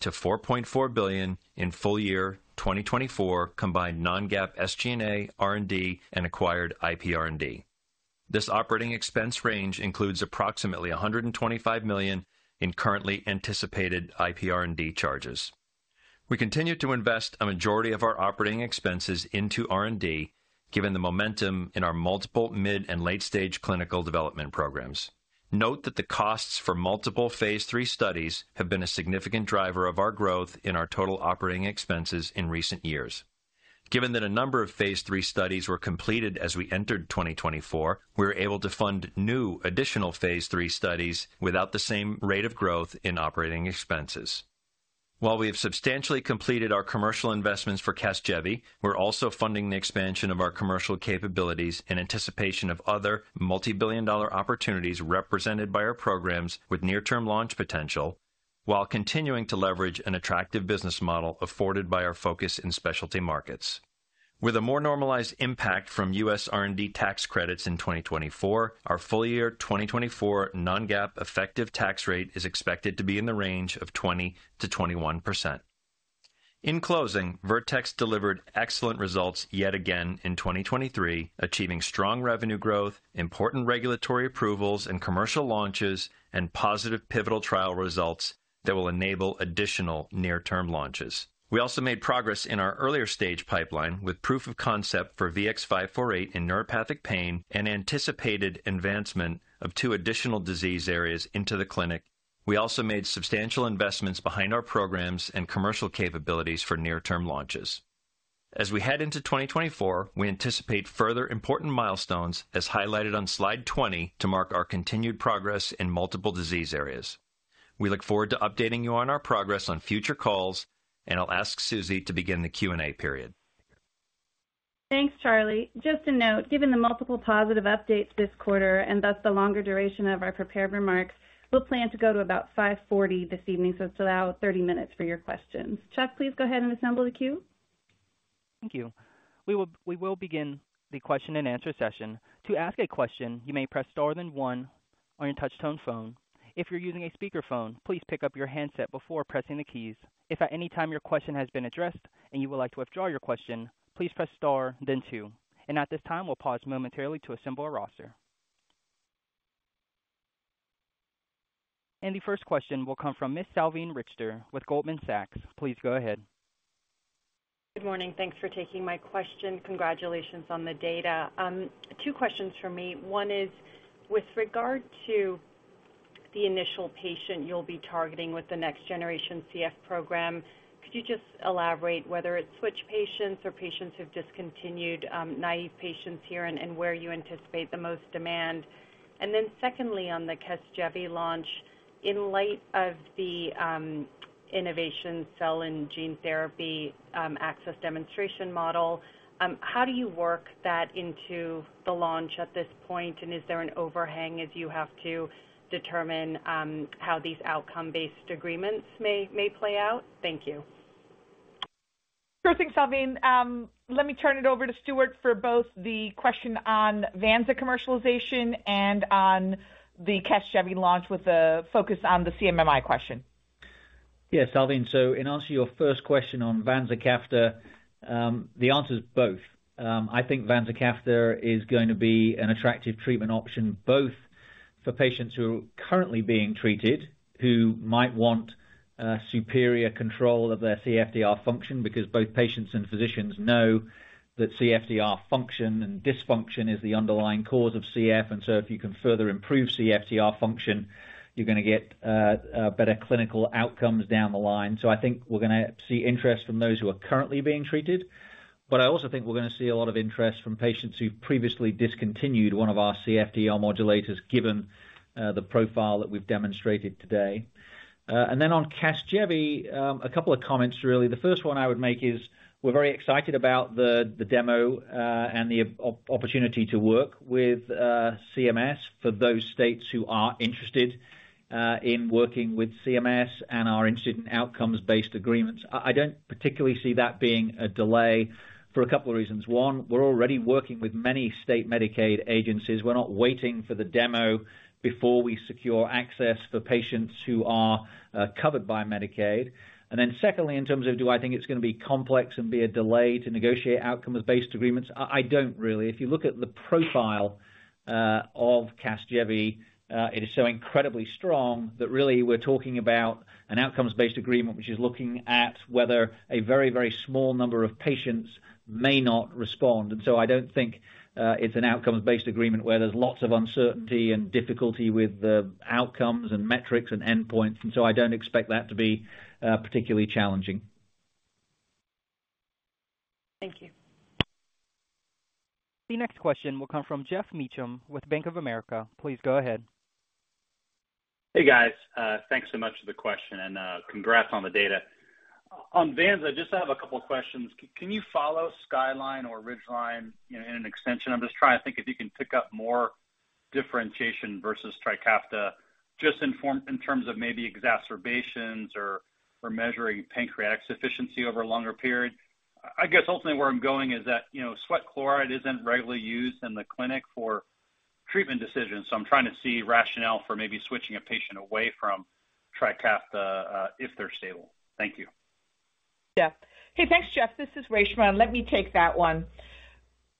billion-$4.4 billion in full year 2024 combined non-GAAP SG&A, R&D, and acquired IP R&D. This operating expense range includes approximately $125 million in currently anticipated IP R&D charges. We continue to invest a majority of our operating expenses into R&D, given the momentum in our multiple mid- and late-stage clinical development programs. Note that the costs for multiple phase III studies have been a significant driver of our growth in our total operating expenses in recent years. Given that a number of phase III studies were completed as we entered 2024, we were able to fund new additional phase III studies without the same rate of growth in operating expenses. While we have substantially completed our commercial investments for Casgevy, we're also funding the expansion of our commercial capabilities in anticipation of other multi-billion-dollar opportunities represented by our programs with near-term launch potential, while continuing to leverage an attractive business model afforded by our focus in specialty markets. With a more normalized impact from U.S. R&D tax credits in 2024, our full year 2024 non-GAAP effective tax rate is expected to be in the range of 20%-21%. In closing, Vertex delivered excellent results yet again in 2023, achieving strong revenue growth, important regulatory approvals and commercial launches, and positive pivotal trial results that will enable additional near-term launches. We also made progress in our earlier stage pipeline with proof of concept for VX-548 in neuropathic pain and anticipated advancement of two additional disease areas into the clinic. We also made substantial investments behind our programs and commercial capabilities for near-term launches. As we head into 2024, we anticipate further important milestones, as highlighted on slide 20, to mark our continued progress in multiple disease areas. We look forward to updating you on our progress on future calls, and I'll ask Susie to begin the Q&A period. Thanks, Charlie. Just a note, given the multiple positive updates this quarter and thus the longer duration of our prepared remarks, we'll plan to go to about 5:40 P.M. this evening, so let's allow 30 minutes for your questions. Chad, please go ahead and assemble the queue. Thank you. We will begin the question-and-answer session. To ask a question, you may press star then one on your touch tone phone. If you're using a speakerphone, please pick up your handset before pressing the keys. If at any time your question has been addressed and you would like to withdraw your question, please press star then two. At this time, we'll pause momentarily to assemble our roster. The first question will come from Ms. Salveen Richter with Goldman Sachs. Please go ahead. Good morning. Thanks for taking my question. Congratulations on the data. Two questions for me. One is, with regard to the initial patient you'll be targeting with the next generation CF program, could you just elaborate whether it's switch patients or patients who've discontinued, naive patients here and, and where you anticipate the most demand? And then secondly, on the Casgevy launch, in light of the, innovation cell and gene therapy, access demonstration model, how do you work that into the launch at this point? And is there an overhang as you have to determine, how these outcome-based agreements may, may play out? Thank you. Sure thing, Salveen. Let me turn it over to Stuart for both the question on Vanza commercialization and on the Casgevy launch, with a focus on the CMMI question. Yeah, Salveen, so in answer to your first question on vanzacaftor, the answer is both. I think vanzacaftor is going to be an attractive treatment option, both for patients who are currently being treated, who might want superior control of their CFTR function, because both patients and physicians know that CFTR function and dysfunction is the underlying cause of CF. And so if you can further improve CFTR function, you're going to get a better clinical outcomes down the line. So I think we're going to see interest from those who are currently being treated, but I also think we're going to see a lot of interest from patients who've previously discontinued one of our CFTR modulators, given the profile that we've demonstrated today. And then on Casgevy, a couple of comments, really. The first one I would make is we're very excited about the demo and the opportunity to work with CMS for those states who are interested in working with CMS and are interested in outcomes-based agreements. I don't particularly see that being a delay for a couple of reasons. One, we're already working with many state Medicaid agencies. We're not waiting for the demo before we secure access for patients who are covered by Medicaid. And then secondly, in terms of, do I think it's going to be complex and be a delay to negotiate outcomes-based agreements? I don't really. If you look at the profile of Casgevy, it is so incredibly strong that really we're talking about an outcomes-based agreement, which is looking at whether a very, very small number of patients may not respond. And so I don't think it's an outcomes-based agreement where there's lots of uncertainty and difficulty with the outcomes and metrics and endpoints, and so I don't expect that to be particularly challenging. Thank you. The next question will come from Geoff Meacham with Bank of America. Please go ahead. Hey, guys. Thanks so much for the question, and congrats on the data. On vanzacaftor, I just have a couple of questions. Can you follow SKYLINE or RIDGELINE, you know, in an extension? I'm just trying to think if you can pick up more differentiation versus Trikafta, just in terms of maybe exacerbations or measuring pancreatic sufficiency over a longer period. I guess ultimately where I'm going is that, you know, sweat chloride isn't regularly used in the clinic for treatment decisions, so I'm trying to see rationale for maybe switching a patient away from Trikafta if they're stable. Thank you. Yeah. Hey, thanks, Geoff. This is Reshma, and let me take that one.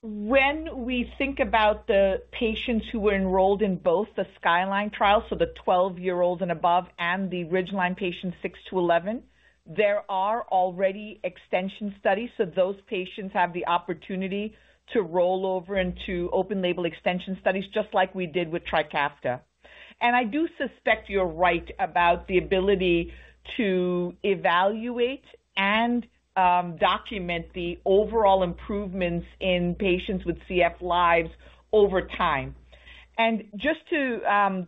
When we think about the patients who were enrolled in both the SKYLINE trial, so the 12-year-olds and above, and the RIDGELINE patients, six to 11, there are already extension studies, so those patients have the opportunity to roll over into open label extension studies, just like we did with Trikafta. And I do suspect you're right about the ability to evaluate and document the overall improvements in patients with CF lives over time. And just to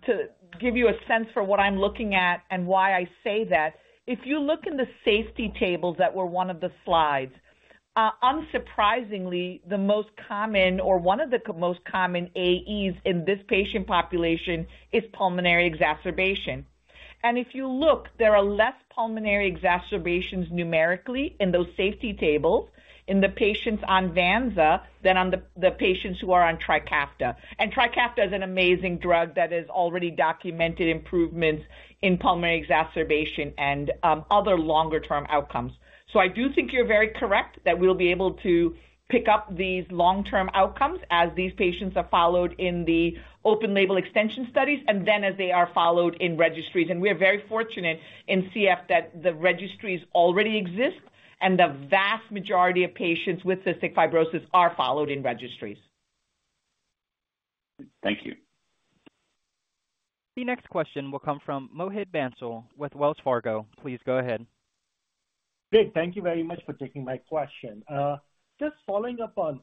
give you a sense for what I'm looking at and why I say that, if you look in the safety tables that were one of the slides, unsurprisingly, the most common or one of the most common AEs in this patient population is pulmonary exacerbation. And if you look, there are less pulmonary exacerbations numerically in those safety tables in the patients on Vanza than on the, the patients who are on Trikafta. And Trikafta is an amazing drug that is already documented improvements in pulmonary exacerbation and, other longer term outcomes. So I do think you're very correct that we'll be able to pick up these long-term outcomes as these patients are followed in the open label extension studies, and then as they are followed in registries. And we are very fortunate in CF that the registries already exist, and the vast majority of patients with cystic fibrosis are followed in registries. Thank you. The next question will come from Mohit Bansal with Wells Fargo. Please go ahead. Great. Thank you very much for taking my question. Just following up on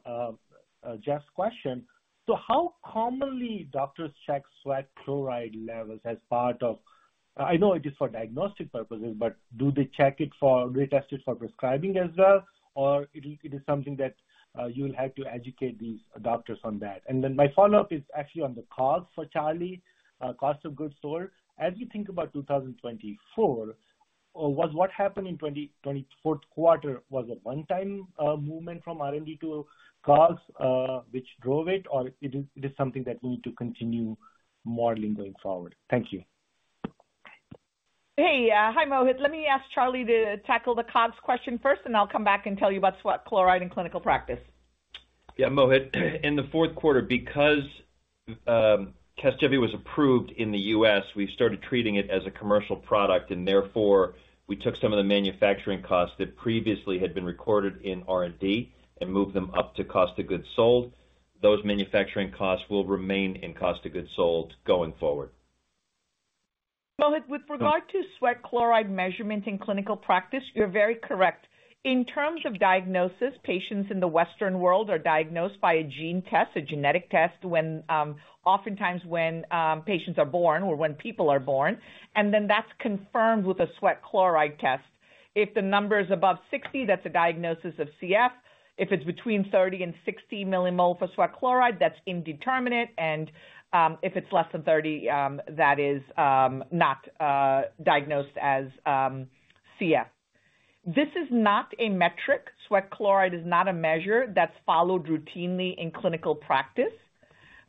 Geoff's question. So how commonly doctors check sweat chloride levels as part of... I know it is for diagnostic purposes, but do they check it for, retest it for prescribing as well? Or is it something that you'll have to educate these doctors on that. And then my follow-up is actually on the COGS for Charlie, cost of goods sold. As you think about 2024, was what happened in 2023 fourth quarter a one-time movement from R&D to COGS, which drove it, or is it something that we need to continue modeling going forward? Thank you. Hey, hi, Mohit. Let me ask Charlie to tackle the COGS question first, and I'll come back and tell you about sweat chloride and clinical practice. Yeah, Mohit, in the fourth quarter, because Casgevy was approved in the U.S., we started treating it as a commercial product, and therefore, we took some of the manufacturing costs that previously had been recorded in R&D and moved them up to cost of goods sold. Those manufacturing costs will remain in cost of goods sold going forward. Mohit, with regard to sweat chloride measurement in clinical practice, you're very correct. In terms of diagnosis, patients in the Western world are diagnosed by a gene test, a genetic test, when, oftentimes when, patients are born or when people are born, and then that's confirmed with a sweat chloride test. If the number is above 60, that's a diagnosis of CF. If it's between 30 and 60 millimole for sweat chloride, that's indeterminate, and, if it's less than 30, that is, not, diagnosed as, CF. This is not a metric. Sweat chloride is not a measure that's followed routinely in clinical practice.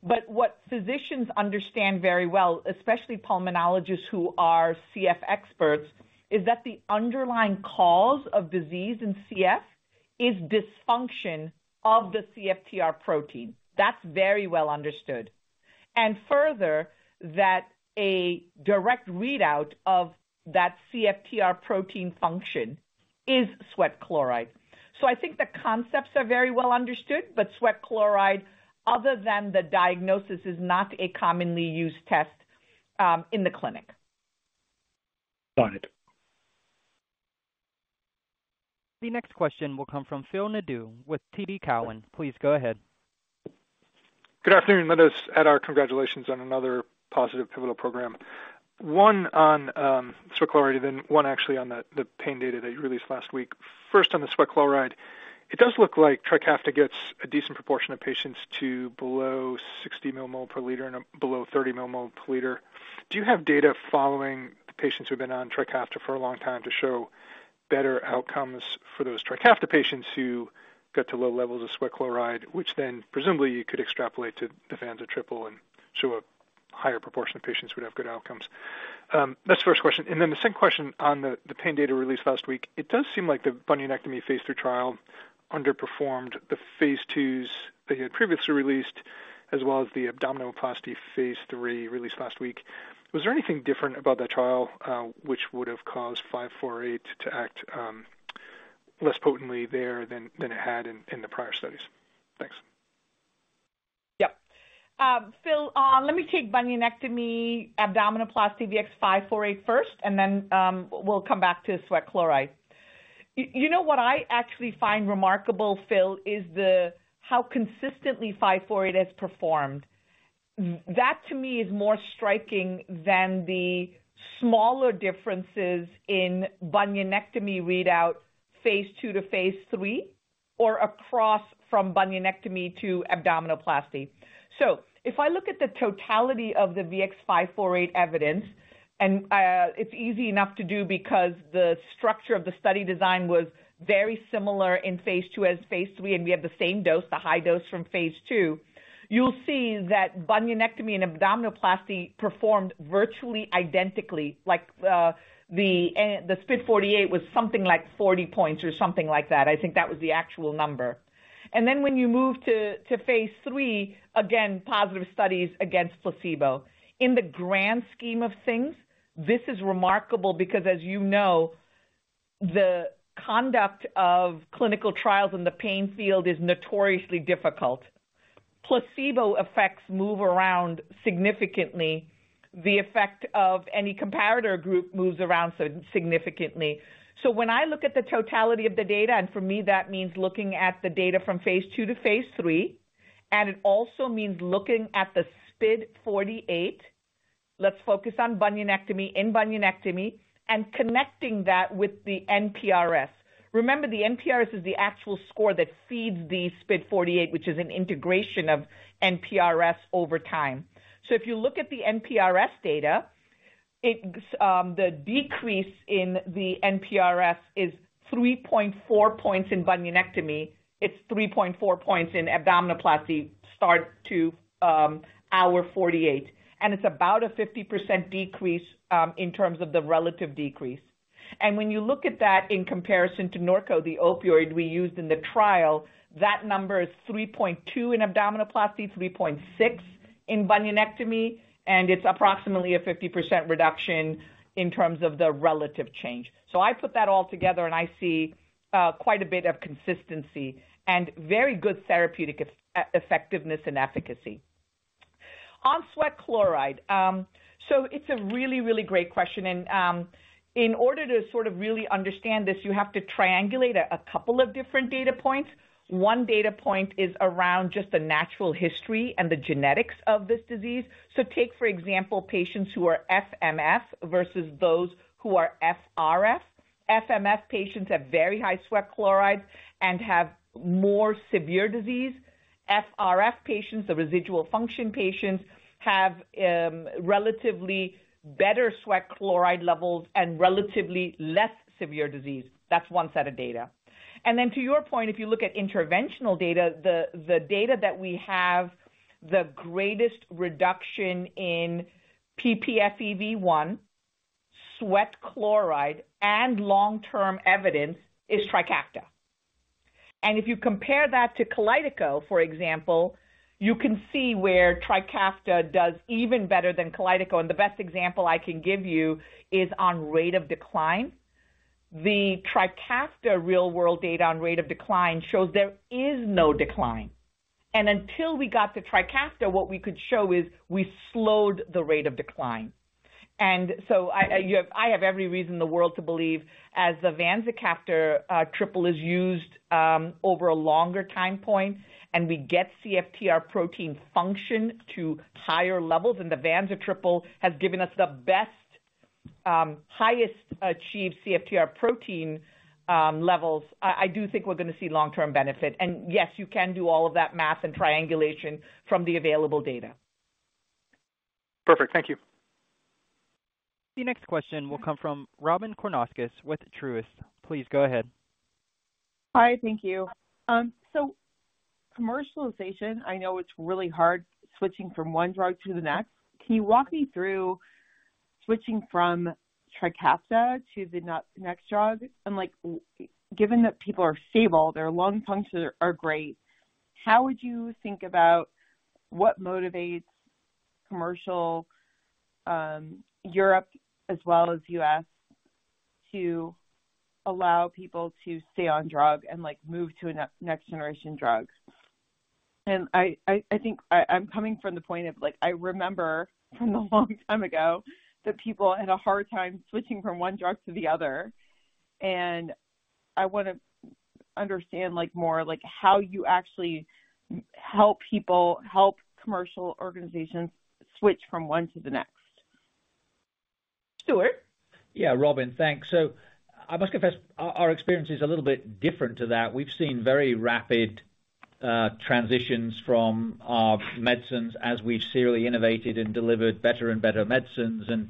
But what physicians understand very well, especially pulmonologists who are CF experts, is that the underlying cause of disease in CF is dysfunction of the CFTR protein. That's very well understood, and further, that a direct readout of that CFTR protein function is sweat chloride. So I think the concepts are very well understood, but sweat chloride, other than the diagnosis, is not a commonly used test, in the clinic. Got it. The next question will come from Phil Nadeau with TD Cowen. Please go ahead. Good afternoon, let us add our congratulations on another positive pivotal program. One on sweat chloride, and then one actually on the pain data that you released last week. First, on the sweat chloride, it does look like Trikafta gets a decent proportion of patients to below 60 millimole per liter and below 30 millimole per liter. Do you have data following the patients who've been on Trikafta for a long time to show better outcomes for those Trikafta patients who get to low levels of sweat chloride, which then presumably you could extrapolate to the vanzacaftor triple and show a higher proportion of patients would have good outcomes? That's the first question. And then the second question on the pain data released last week, it does seem like the bunionectomy phase III trial underperformed the phase II that you had previously released, as well as the abdominoplasty phase III released last week. Was there anything different about that trial, which would have caused VX-548 to act less potently there than it had in the prior studies? Thanks. Yeah. Phil, let me take bunionectomy, abdominoplasty, VX-548 first, and then, we'll come back to sweat chloride. You know what I actually find remarkable, Phil, is the, how consistently 548 has performed. That, to me, is more striking than the smaller differences in bunionectomy readout, phase II to phase III, or across from bunionectomy to abdominoplasty. So if I look at the totality of the VX-548 evidence, and, it's easy enough to do because the structure of the study design was very similar in phase II as phase III, and we had the same dose, the high dose from phase II. You'll see that bunionectomy and abdominoplasty performed virtually identically, like, the SPID48 was something like 40 points or something like that. I think that was the actual number. Then when you move to, to phase III, again, positive studies against placebo. In the grand scheme of things, this is remarkable because, as you know, the conduct of clinical trials in the pain field is notoriously difficult. Placebo effects move around significantly. The effect of any comparator group moves around so significantly. So when I look at the totality of the data, and for me, that means looking at the data from phase II to phase III, and it also means looking at the SPID48. Let's focus on bunionectomy, in bunionectomy, and connecting that with the NPRS. Remember, the NPRS is the actual score that feeds the SPID48, which is an integration of NPRS over time. So if you look at the NPRS data, it, the decrease in the NPRS is 3.4 points in bunionectomy, it's 3.4 points in abdominoplasty, start to hour 48, and it's about a 50% decrease in terms of the relative decrease. And when you look at that in comparison to Norco, the opioid we used in the trial, that number is 3.2 in abdominoplasty, 3.6 in bunionectomy, and it's approximately a 50% reduction in terms of the relative change. So I put that all together, and I see quite a bit of consistency and very good therapeutic effectiveness and efficacy. On sweat chloride, so it's a really, really great question, and in order to sort of really understand this, you have to triangulate a couple of different data points. One data point is around just the natural history and the genetics of this disease. So take, for example, patients who are F/MF versus those who are F/RF. F/MF patients have very high sweat chlorides and have more severe disease. F/RF patients, the residual function patients, have relatively better sweat chloride levels and relatively less severe disease. That's one set of data. And then to your point, if you look at interventional data, the data that we have, the greatest reduction in ppFEV1, sweat chloride, and long-term evidence is Trikafta. And if you compare that to Kalydeco, for example, you can see where Trikafta does even better than Kalydeco, and the best example I can give you is on rate of decline. The Trikafta real-world data on rate of decline shows there is no decline. Until we got to Trikafta, what we could show is we slowed the rate of decline. And so I, you have—I have every reason in the world to believe as the vanzacaftor triple is used over a longer time point and we get CFTR protein function to higher levels, and the Vanza triple has given us the best highest achieved CFTR protein levels, I do think we're going to see long-term benefit. And yes, you can do all of that math and triangulation from the available data. Perfect. Thank you. The next question will come from Robyn Karnauskas with Truist. Please go ahead. Hi, thank you. So commercialization, I know it's really hard switching from one drug to the next. Can you walk me through switching from Trikafta to the next drug? And, like, given that people are stable, their lung functions are great, how would you think about what motivates commercial, Europe as well as U.S., to allow people to stay on drug and, like, move to a next generation drugs? And I think I'm coming from the point of like, I remember from a long time ago that people had a hard time switching from one drug to the other, and I wanna understand, like, more like how you actually help people, help commercial organizations switch from one to the next. Stuart? Yeah, Robyn, thanks. So I must confess, our experience is a little bit different to that. We've seen very rapid transitions from our medicines as we've serially innovated and delivered better and better medicines. And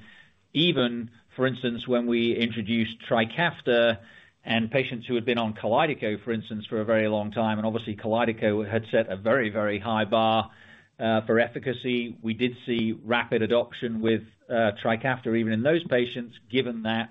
even, for instance, when we introduced Trikafta and patients who had been on Kalydeco, for instance, for a very long time, and obviously Kalydeco had set a very, very high bar for efficacy, we did see rapid adoption with Trikafta even in those patients, given that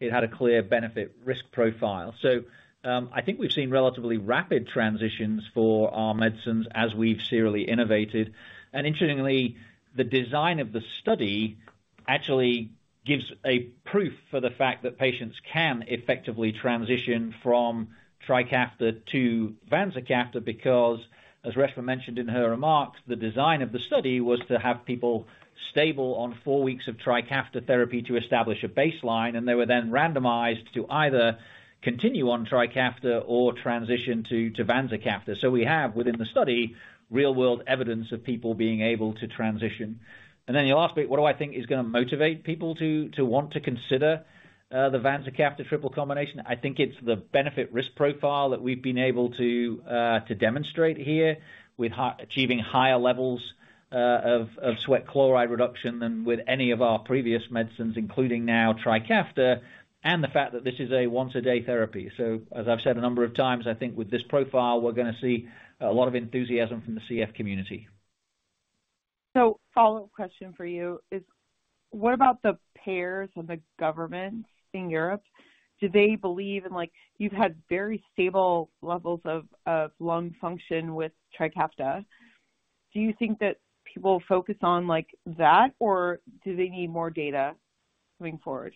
it had a clear benefit risk profile. So, I think we've seen relatively rapid transitions for our medicines as we've serially innovated. And interestingly, the design of the study actually gives a proof for the fact that patients can effectively transition from Trikafta to vanzacaftor. Because, as Reshma mentioned in her remarks, the design of the study was to have people stable on four weeks of Trikafta therapy to establish a baseline, and they were then randomized to either continue on Trikafta or transition to vanzacaftor. So we have within the study, real world evidence of people being able to transition. And then you asked me, what do I think is gonna motivate people to want to consider the vanzacaftor triple combination? I think it's the benefit risk profile that we've been able to demonstrate here with achieving higher levels of sweat chloride reduction than with any of our previous medicines, including now Trikafta, and the fact that this is a once a day therapy. As I've said a number of times, I think with this profile, we're gonna see a lot of enthusiasm from the CF community. Follow-up question for you is: what about the payers or the government in Europe, do they believe in like... You've had very stable levels of lung function with Trikafta. Do you think that people focus on, like, that, or do they need more data moving forward?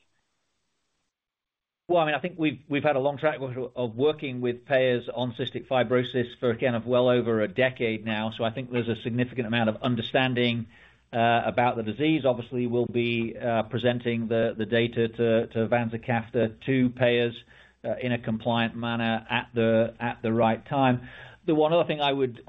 Well, I mean, I think we've had a long track record of working with payers on cystic fibrosis for kind of well over a decade now, so I think there's a significant amount of understanding about the disease. Obviously, we'll be presenting the data to vanzacaftor to payers in a compliant manner at the right time. The one other thing I would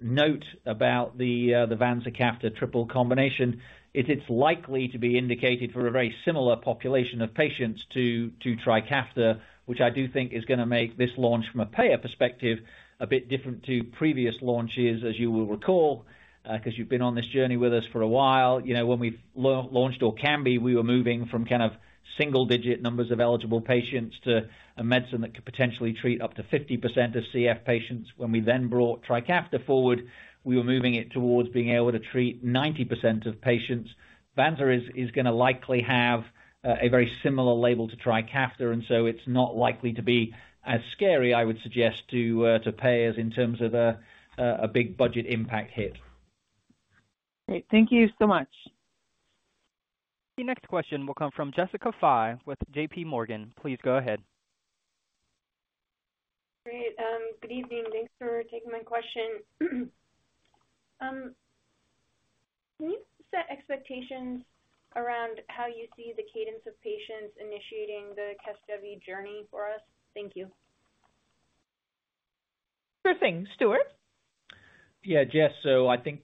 note about the vanzacaftor triple combination is it's likely to be indicated for a very similar population of patients to Trikafta, which I do think is gonna make this launch from a payer perspective a bit different to previous launches, as you will recall, 'cause you've been on this journey with us for a while. You know, when we launched Orkambi, we were moving from kind of single digit numbers of eligible patients to a medicine that could potentially treat up to 50% of CF patients. When we then brought Trikafta forward, we were moving it towards being able to treat 90% of patients. Vanzacaftor is gonna likely have a very similar label to Trikafta, and so it's not likely to be as scary, I would suggest to payers in terms of a big budget impact hit. Great. Thank you so much. The next question will come from Jessica Fye with J.P. Morgan. Please go ahead. Great. Good evening. Thanks for taking my question. Can you set expectations around how you see the cadence of patients initiating the Casgevy journey for us? Thank you. Sure thing. Stuart? Yeah, Jess, so I think,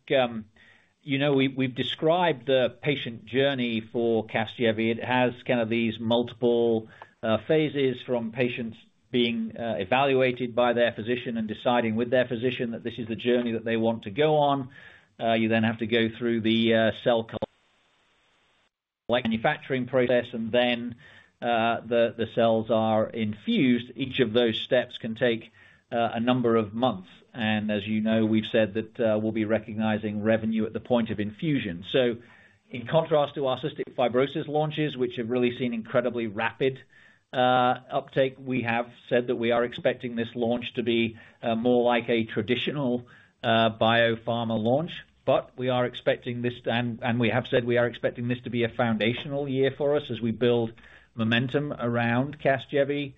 you know, we've described the patient journey for Casgevy. It has kind of these multiple phases from patients being evaluated by their physician and deciding with their physician that this is the journey that they want to go on. You then have to go through the cell manufacturing process, and then the cells are infused. Each of those steps can take a number of months. And as you know, we've said that we'll be recognizing revenue at the point of infusion. So in contrast to our cystic fibrosis launches, which have really seen incredibly rapid uptake, we have said that we are expecting this launch to be more like a traditional biopharma launch. But we are expecting this, and we have said we are expecting this to be a foundational year for us as we build momentum around Casgevy.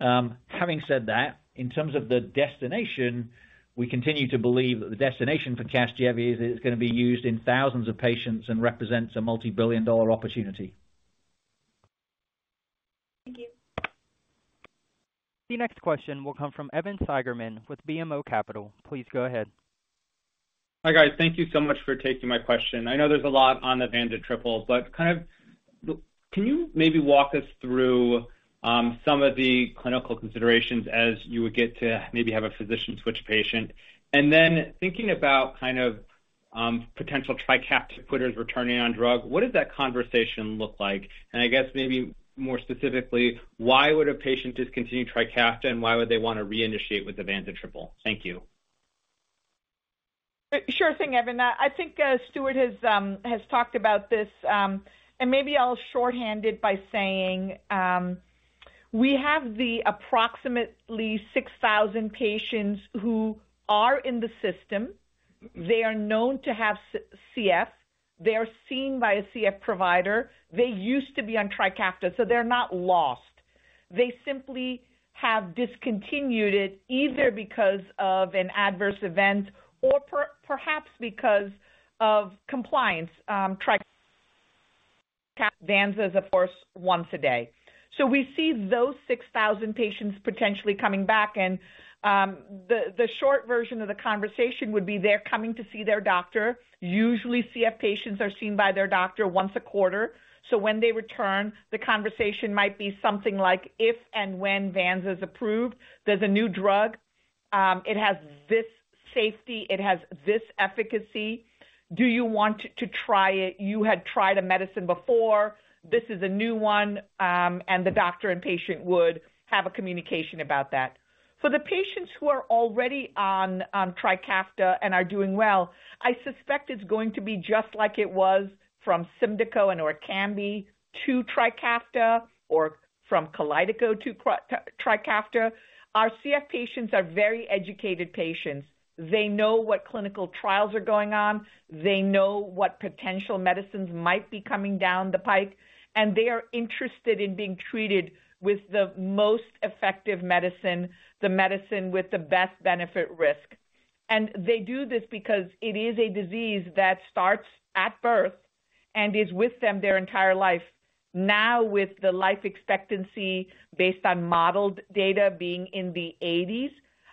Having said that, in terms of the destination, we continue to believe that the destination for Casgevy is it's gonna be used in thousands of patients and represents a multi-billion dollar opportunity. Thank you. The next question will come from Evan Seigerman with BMO Capital. Please go ahead. Hi, guys. Thank you so much for taking my question. I know there's a lot on the vanza triple, but kind of, can you maybe walk us through some of the clinical considerations as you would get to maybe have a physician switch patient? And then thinking about kind of potential Trikafta quitters returning on drug, what does that conversation look like? And I guess maybe more specifically, why would a patient discontinue Trikafta, and why would they want to reinitiate with the Vanza triple? Thank you. Sure thing, Evan. I think Stuart has talked about this, and maybe I'll shorthand it by saying, we have approximately 6,000 patients who are in the system. They are known to have CF, they are seen by a CF provider. They used to be on Trikafta, so they're not lost. They simply have discontinued it either because of an adverse event or perhaps because of compliance, Trikafta. Vanza is, of course, once a day. So we see those 6,000 patients potentially coming back, and the short version of the conversation would be they're coming to see their doctor. Usually, CF patients are seen by their doctor once a quarter, so when they return, the conversation might be something like: If and when vanzacaftor is approved, there's a new drug, it has this safety, it has this efficacy. Do you want to try it? You had tried a medicine before. This is a new one, and the doctor and patient would have a communication about that. For the patients who are already on Trikafta and are doing well, I suspect it's going to be just like it was from Symdeko and Orkambi to Trikafta or from Kalydeco to Trikafta. Our CF patients are very educated patients. They know what clinical trials are going on, they know what potential medicines might be coming down the pipe, and they are interested in being treated with the most effective medicine, the medicine with the best benefit risk. They do this because it is a disease that starts at birth and is with them their entire life. Now, with the life expectancy based on modeled data being in the eighties,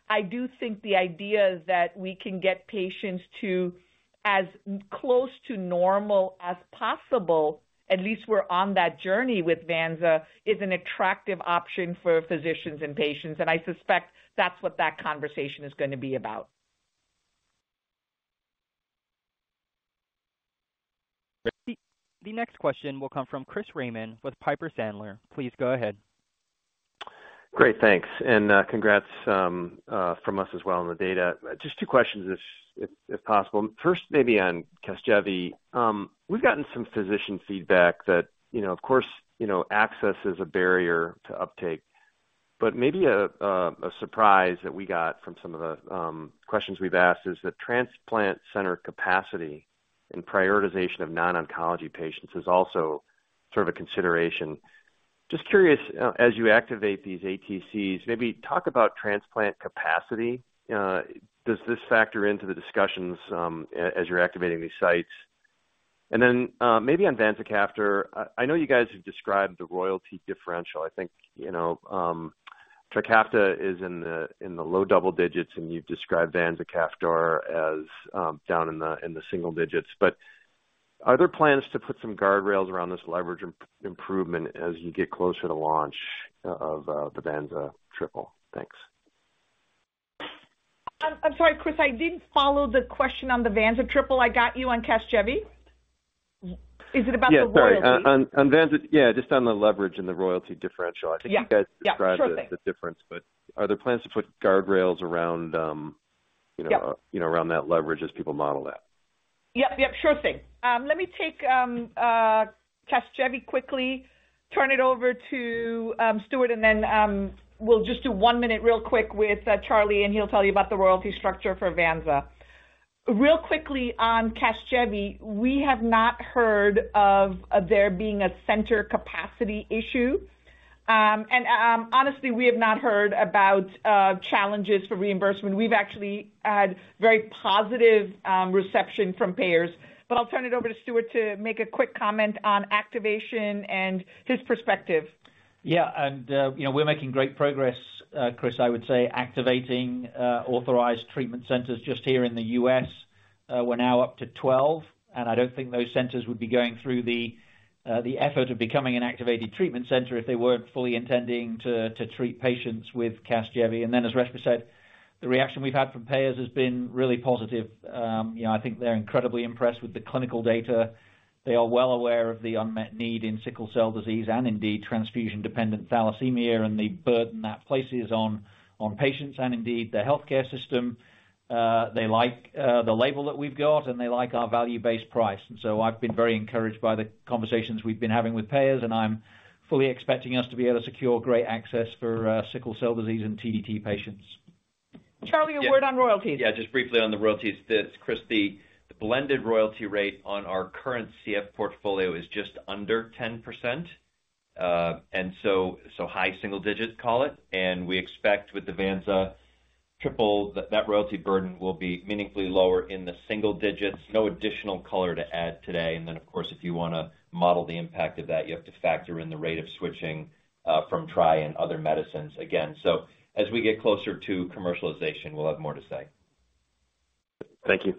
I do think the idea is that we can get patients to as close to normal as possible, at least we're on that journey with Vanza, is an attractive option for physicians and patients, and I suspect that's what that conversation is going to be about. The next question will come from Chris Raymond with Piper Sandler. Please go ahead. Great, thanks. And, congrats from us as well on the data. Just two questions, if possible. First, maybe on Casgevy. We've gotten some physician feedback that, you know, of course, you know, access is a barrier to uptake, but maybe a surprise that we got from some of the questions we've asked is that transplant center capacity and prioritization of non-oncology patients is also sort of a consideration. Just curious, as you activate these ATCs, maybe talk about transplant capacity. Does this factor into the discussions, as you're activating these sites? And then, maybe on vanzacaftor, I know you guys have described the royalty differential. I think, you know, Trikafta is in the low double digits, and you've described vanzacaftor as down in the single digits. Are there plans to put some guardrails around this leverage improvement as you get closer to launch of the vanzacaftor triple? Thanks. I'm sorry, Chris, I didn't follow the question on the vanza triple. I got you on Casgevy. Is it about the royalty? Yeah, sorry. On vanzacaftor, yeah, just on the leverage and the royalty differential. Yeah. I think you guys described- Yeah, sure thing. -the difference, but are there plans to put guardrails around, you know- Yeah.... you know, around that leverage as people model that? Yep, yep, sure thing. Let me take Casgevy quickly, turn it over to Stuart, and then we'll just do one minute real quick with Charlie, and he'll tell you about the royalty structure for vanzacaftor. Real quickly on Casgevy, we have not heard of there being a center capacity issue. And honestly, we have not heard about challenges for reimbursement. We've actually had very positive reception from payers. But I'll turn it over to Stuart to make a quick comment on activation and his perspective. Yeah, and, you know, we're making great progress, Chris, I would say, activating authorized treatment centers just here in the U.S. We're now up to 12, and I don't think those centers would be going through the, the effort of becoming an activated treatment center if they weren't fully intending to, to treat patients with Casgevy. And then, as Reshma said, the reaction we've had from payers has been really positive. You know, I think they're incredibly impressed with the clinical data. They are well aware of the unmet need in sickle cell disease and indeed transfusion-dependent thalassemia, and the burden that places on, on patients and indeed the healthcare system. They like, the label that we've got, and they like our value-based price. So I've been very encouraged by the conversations we've been having with payers, and I'm fully expecting us to be able to secure great access for sickle cell disease and TDT patients. Charlie, a word on royalties? Yeah, just briefly on the royalties. This, Chris, the blended royalty rate on our current CF portfolio is just under 10%. And so, high single digits, call it, and we expect with the vanzacaftor triple, that royalty burden will be meaningfully lower in the single digits. No additional color to add today, and then, of course, if you want to model the impact of that, you have to factor in the rate of switching from Tri and other medicines again. So as we get closer to commercialization, we'll have more to say. Thank you.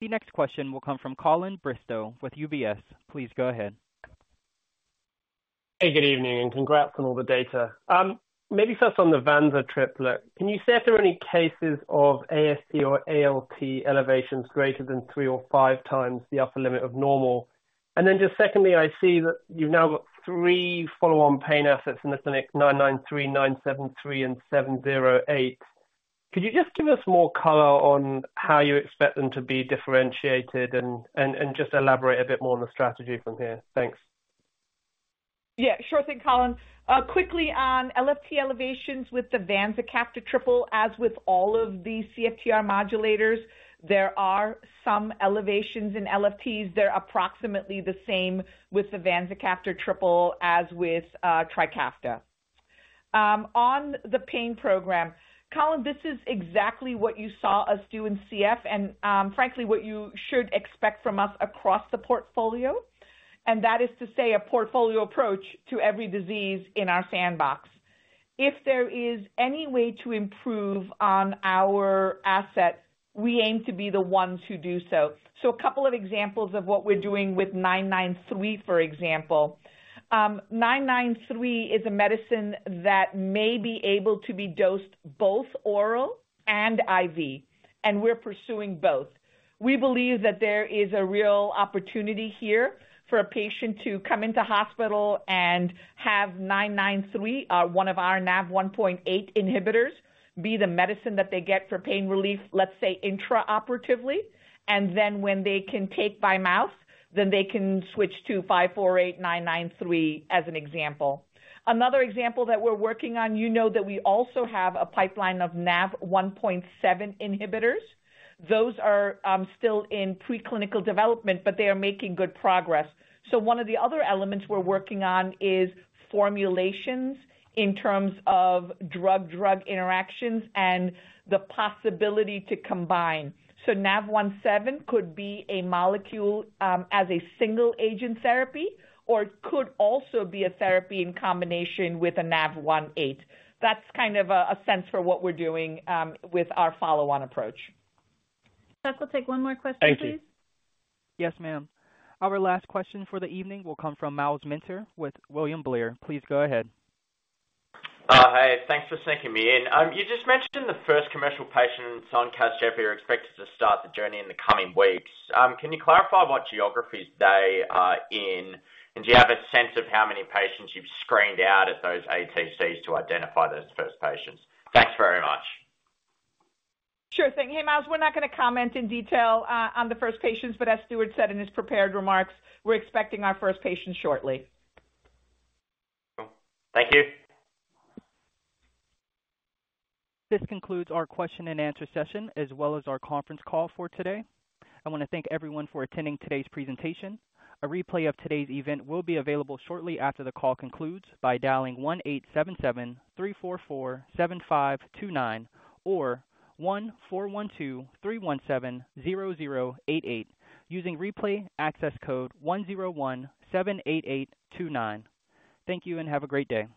The next question will come from Colin Bristow with UBS. Please go ahead. Hey, good evening, and congrats on all the data. Maybe first on the vanza triple, can you say if there are any cases of AST or ALT elevations greater than three or five times the upper limit of normal? And then just secondly, I see that you've now got three follow-on pain assets in the clinic, 993, 973, and 708. Could you just give us more color on how you expect them to be differentiated and, and, and just elaborate a bit more on the strategy from here? Thanks. Yeah, sure thing, Colin. Quickly on LFT elevations with the vanzacaftor triple. As with all of the CFTR modulators, there are some elevations in LFTs. They're approximately the same with the vanzacaftor triple as with Trikafta. On the pain program, Colin, this is exactly what you saw us do in CF and, frankly, what you should expect from us across the portfolio, and that is to say, a portfolio approach to every disease in our sandbox. If there is any way to improve on our asset, we aim to be the ones who do so. So a couple of examples of what we're doing with 993, for example. Nine nine three is a medicine that may be able to be dosed both oral and IV, and we're pursuing both. We believe that there is a real opportunity here for a patient to come into hospital and have VX-993, one of our NaV1.8 inhibitors, be the medicine that they get for pain relief, let's say intraoperatively, and then when they can take by mouth, then they can switch to VX-548 VX-993, as an example. Another example that we're working on, you know that we also have a pipeline of NaV1.7 inhibitors. Those are still in preclinical development, but they are making good progress. So one of the other elements we're working on is formulations in terms of drug-drug interactions and the possibility to combine. So NaV1.7 could be a molecule as a single agent therapy, or it could also be a therapy in combination with a NaV1.8. That's kind of a sense for what we're doing with our follow-on approach. We'll take one more question, please. Thank you. Yes, ma'am. Our last question for the evening will come from Myles Minter with William Blair. Please go ahead. Hey, thanks for sneaking me in. You just mentioned the first commercial patients on Casgevy are expected to start the journey in the coming weeks. Can you clarify what geographies they are in, and do you have a sense of how many patients you've screened out at those ATCs to identify those first patients? Thanks very much. Sure thing. Hey, Myles, we're not going to comment in detail on the first patients, but as Stuart said in his prepared remarks, we're expecting our first patients shortly. Thank you. This concludes our question and answer session, as well as our conference call for today. I want to thank everyone for attending today's presentation. A replay of today's event will be available shortly after the call concludes by dialing 1-877-344-7529 or 1-412-317-0088, using replay access code 10178829. Thank you and have a great day.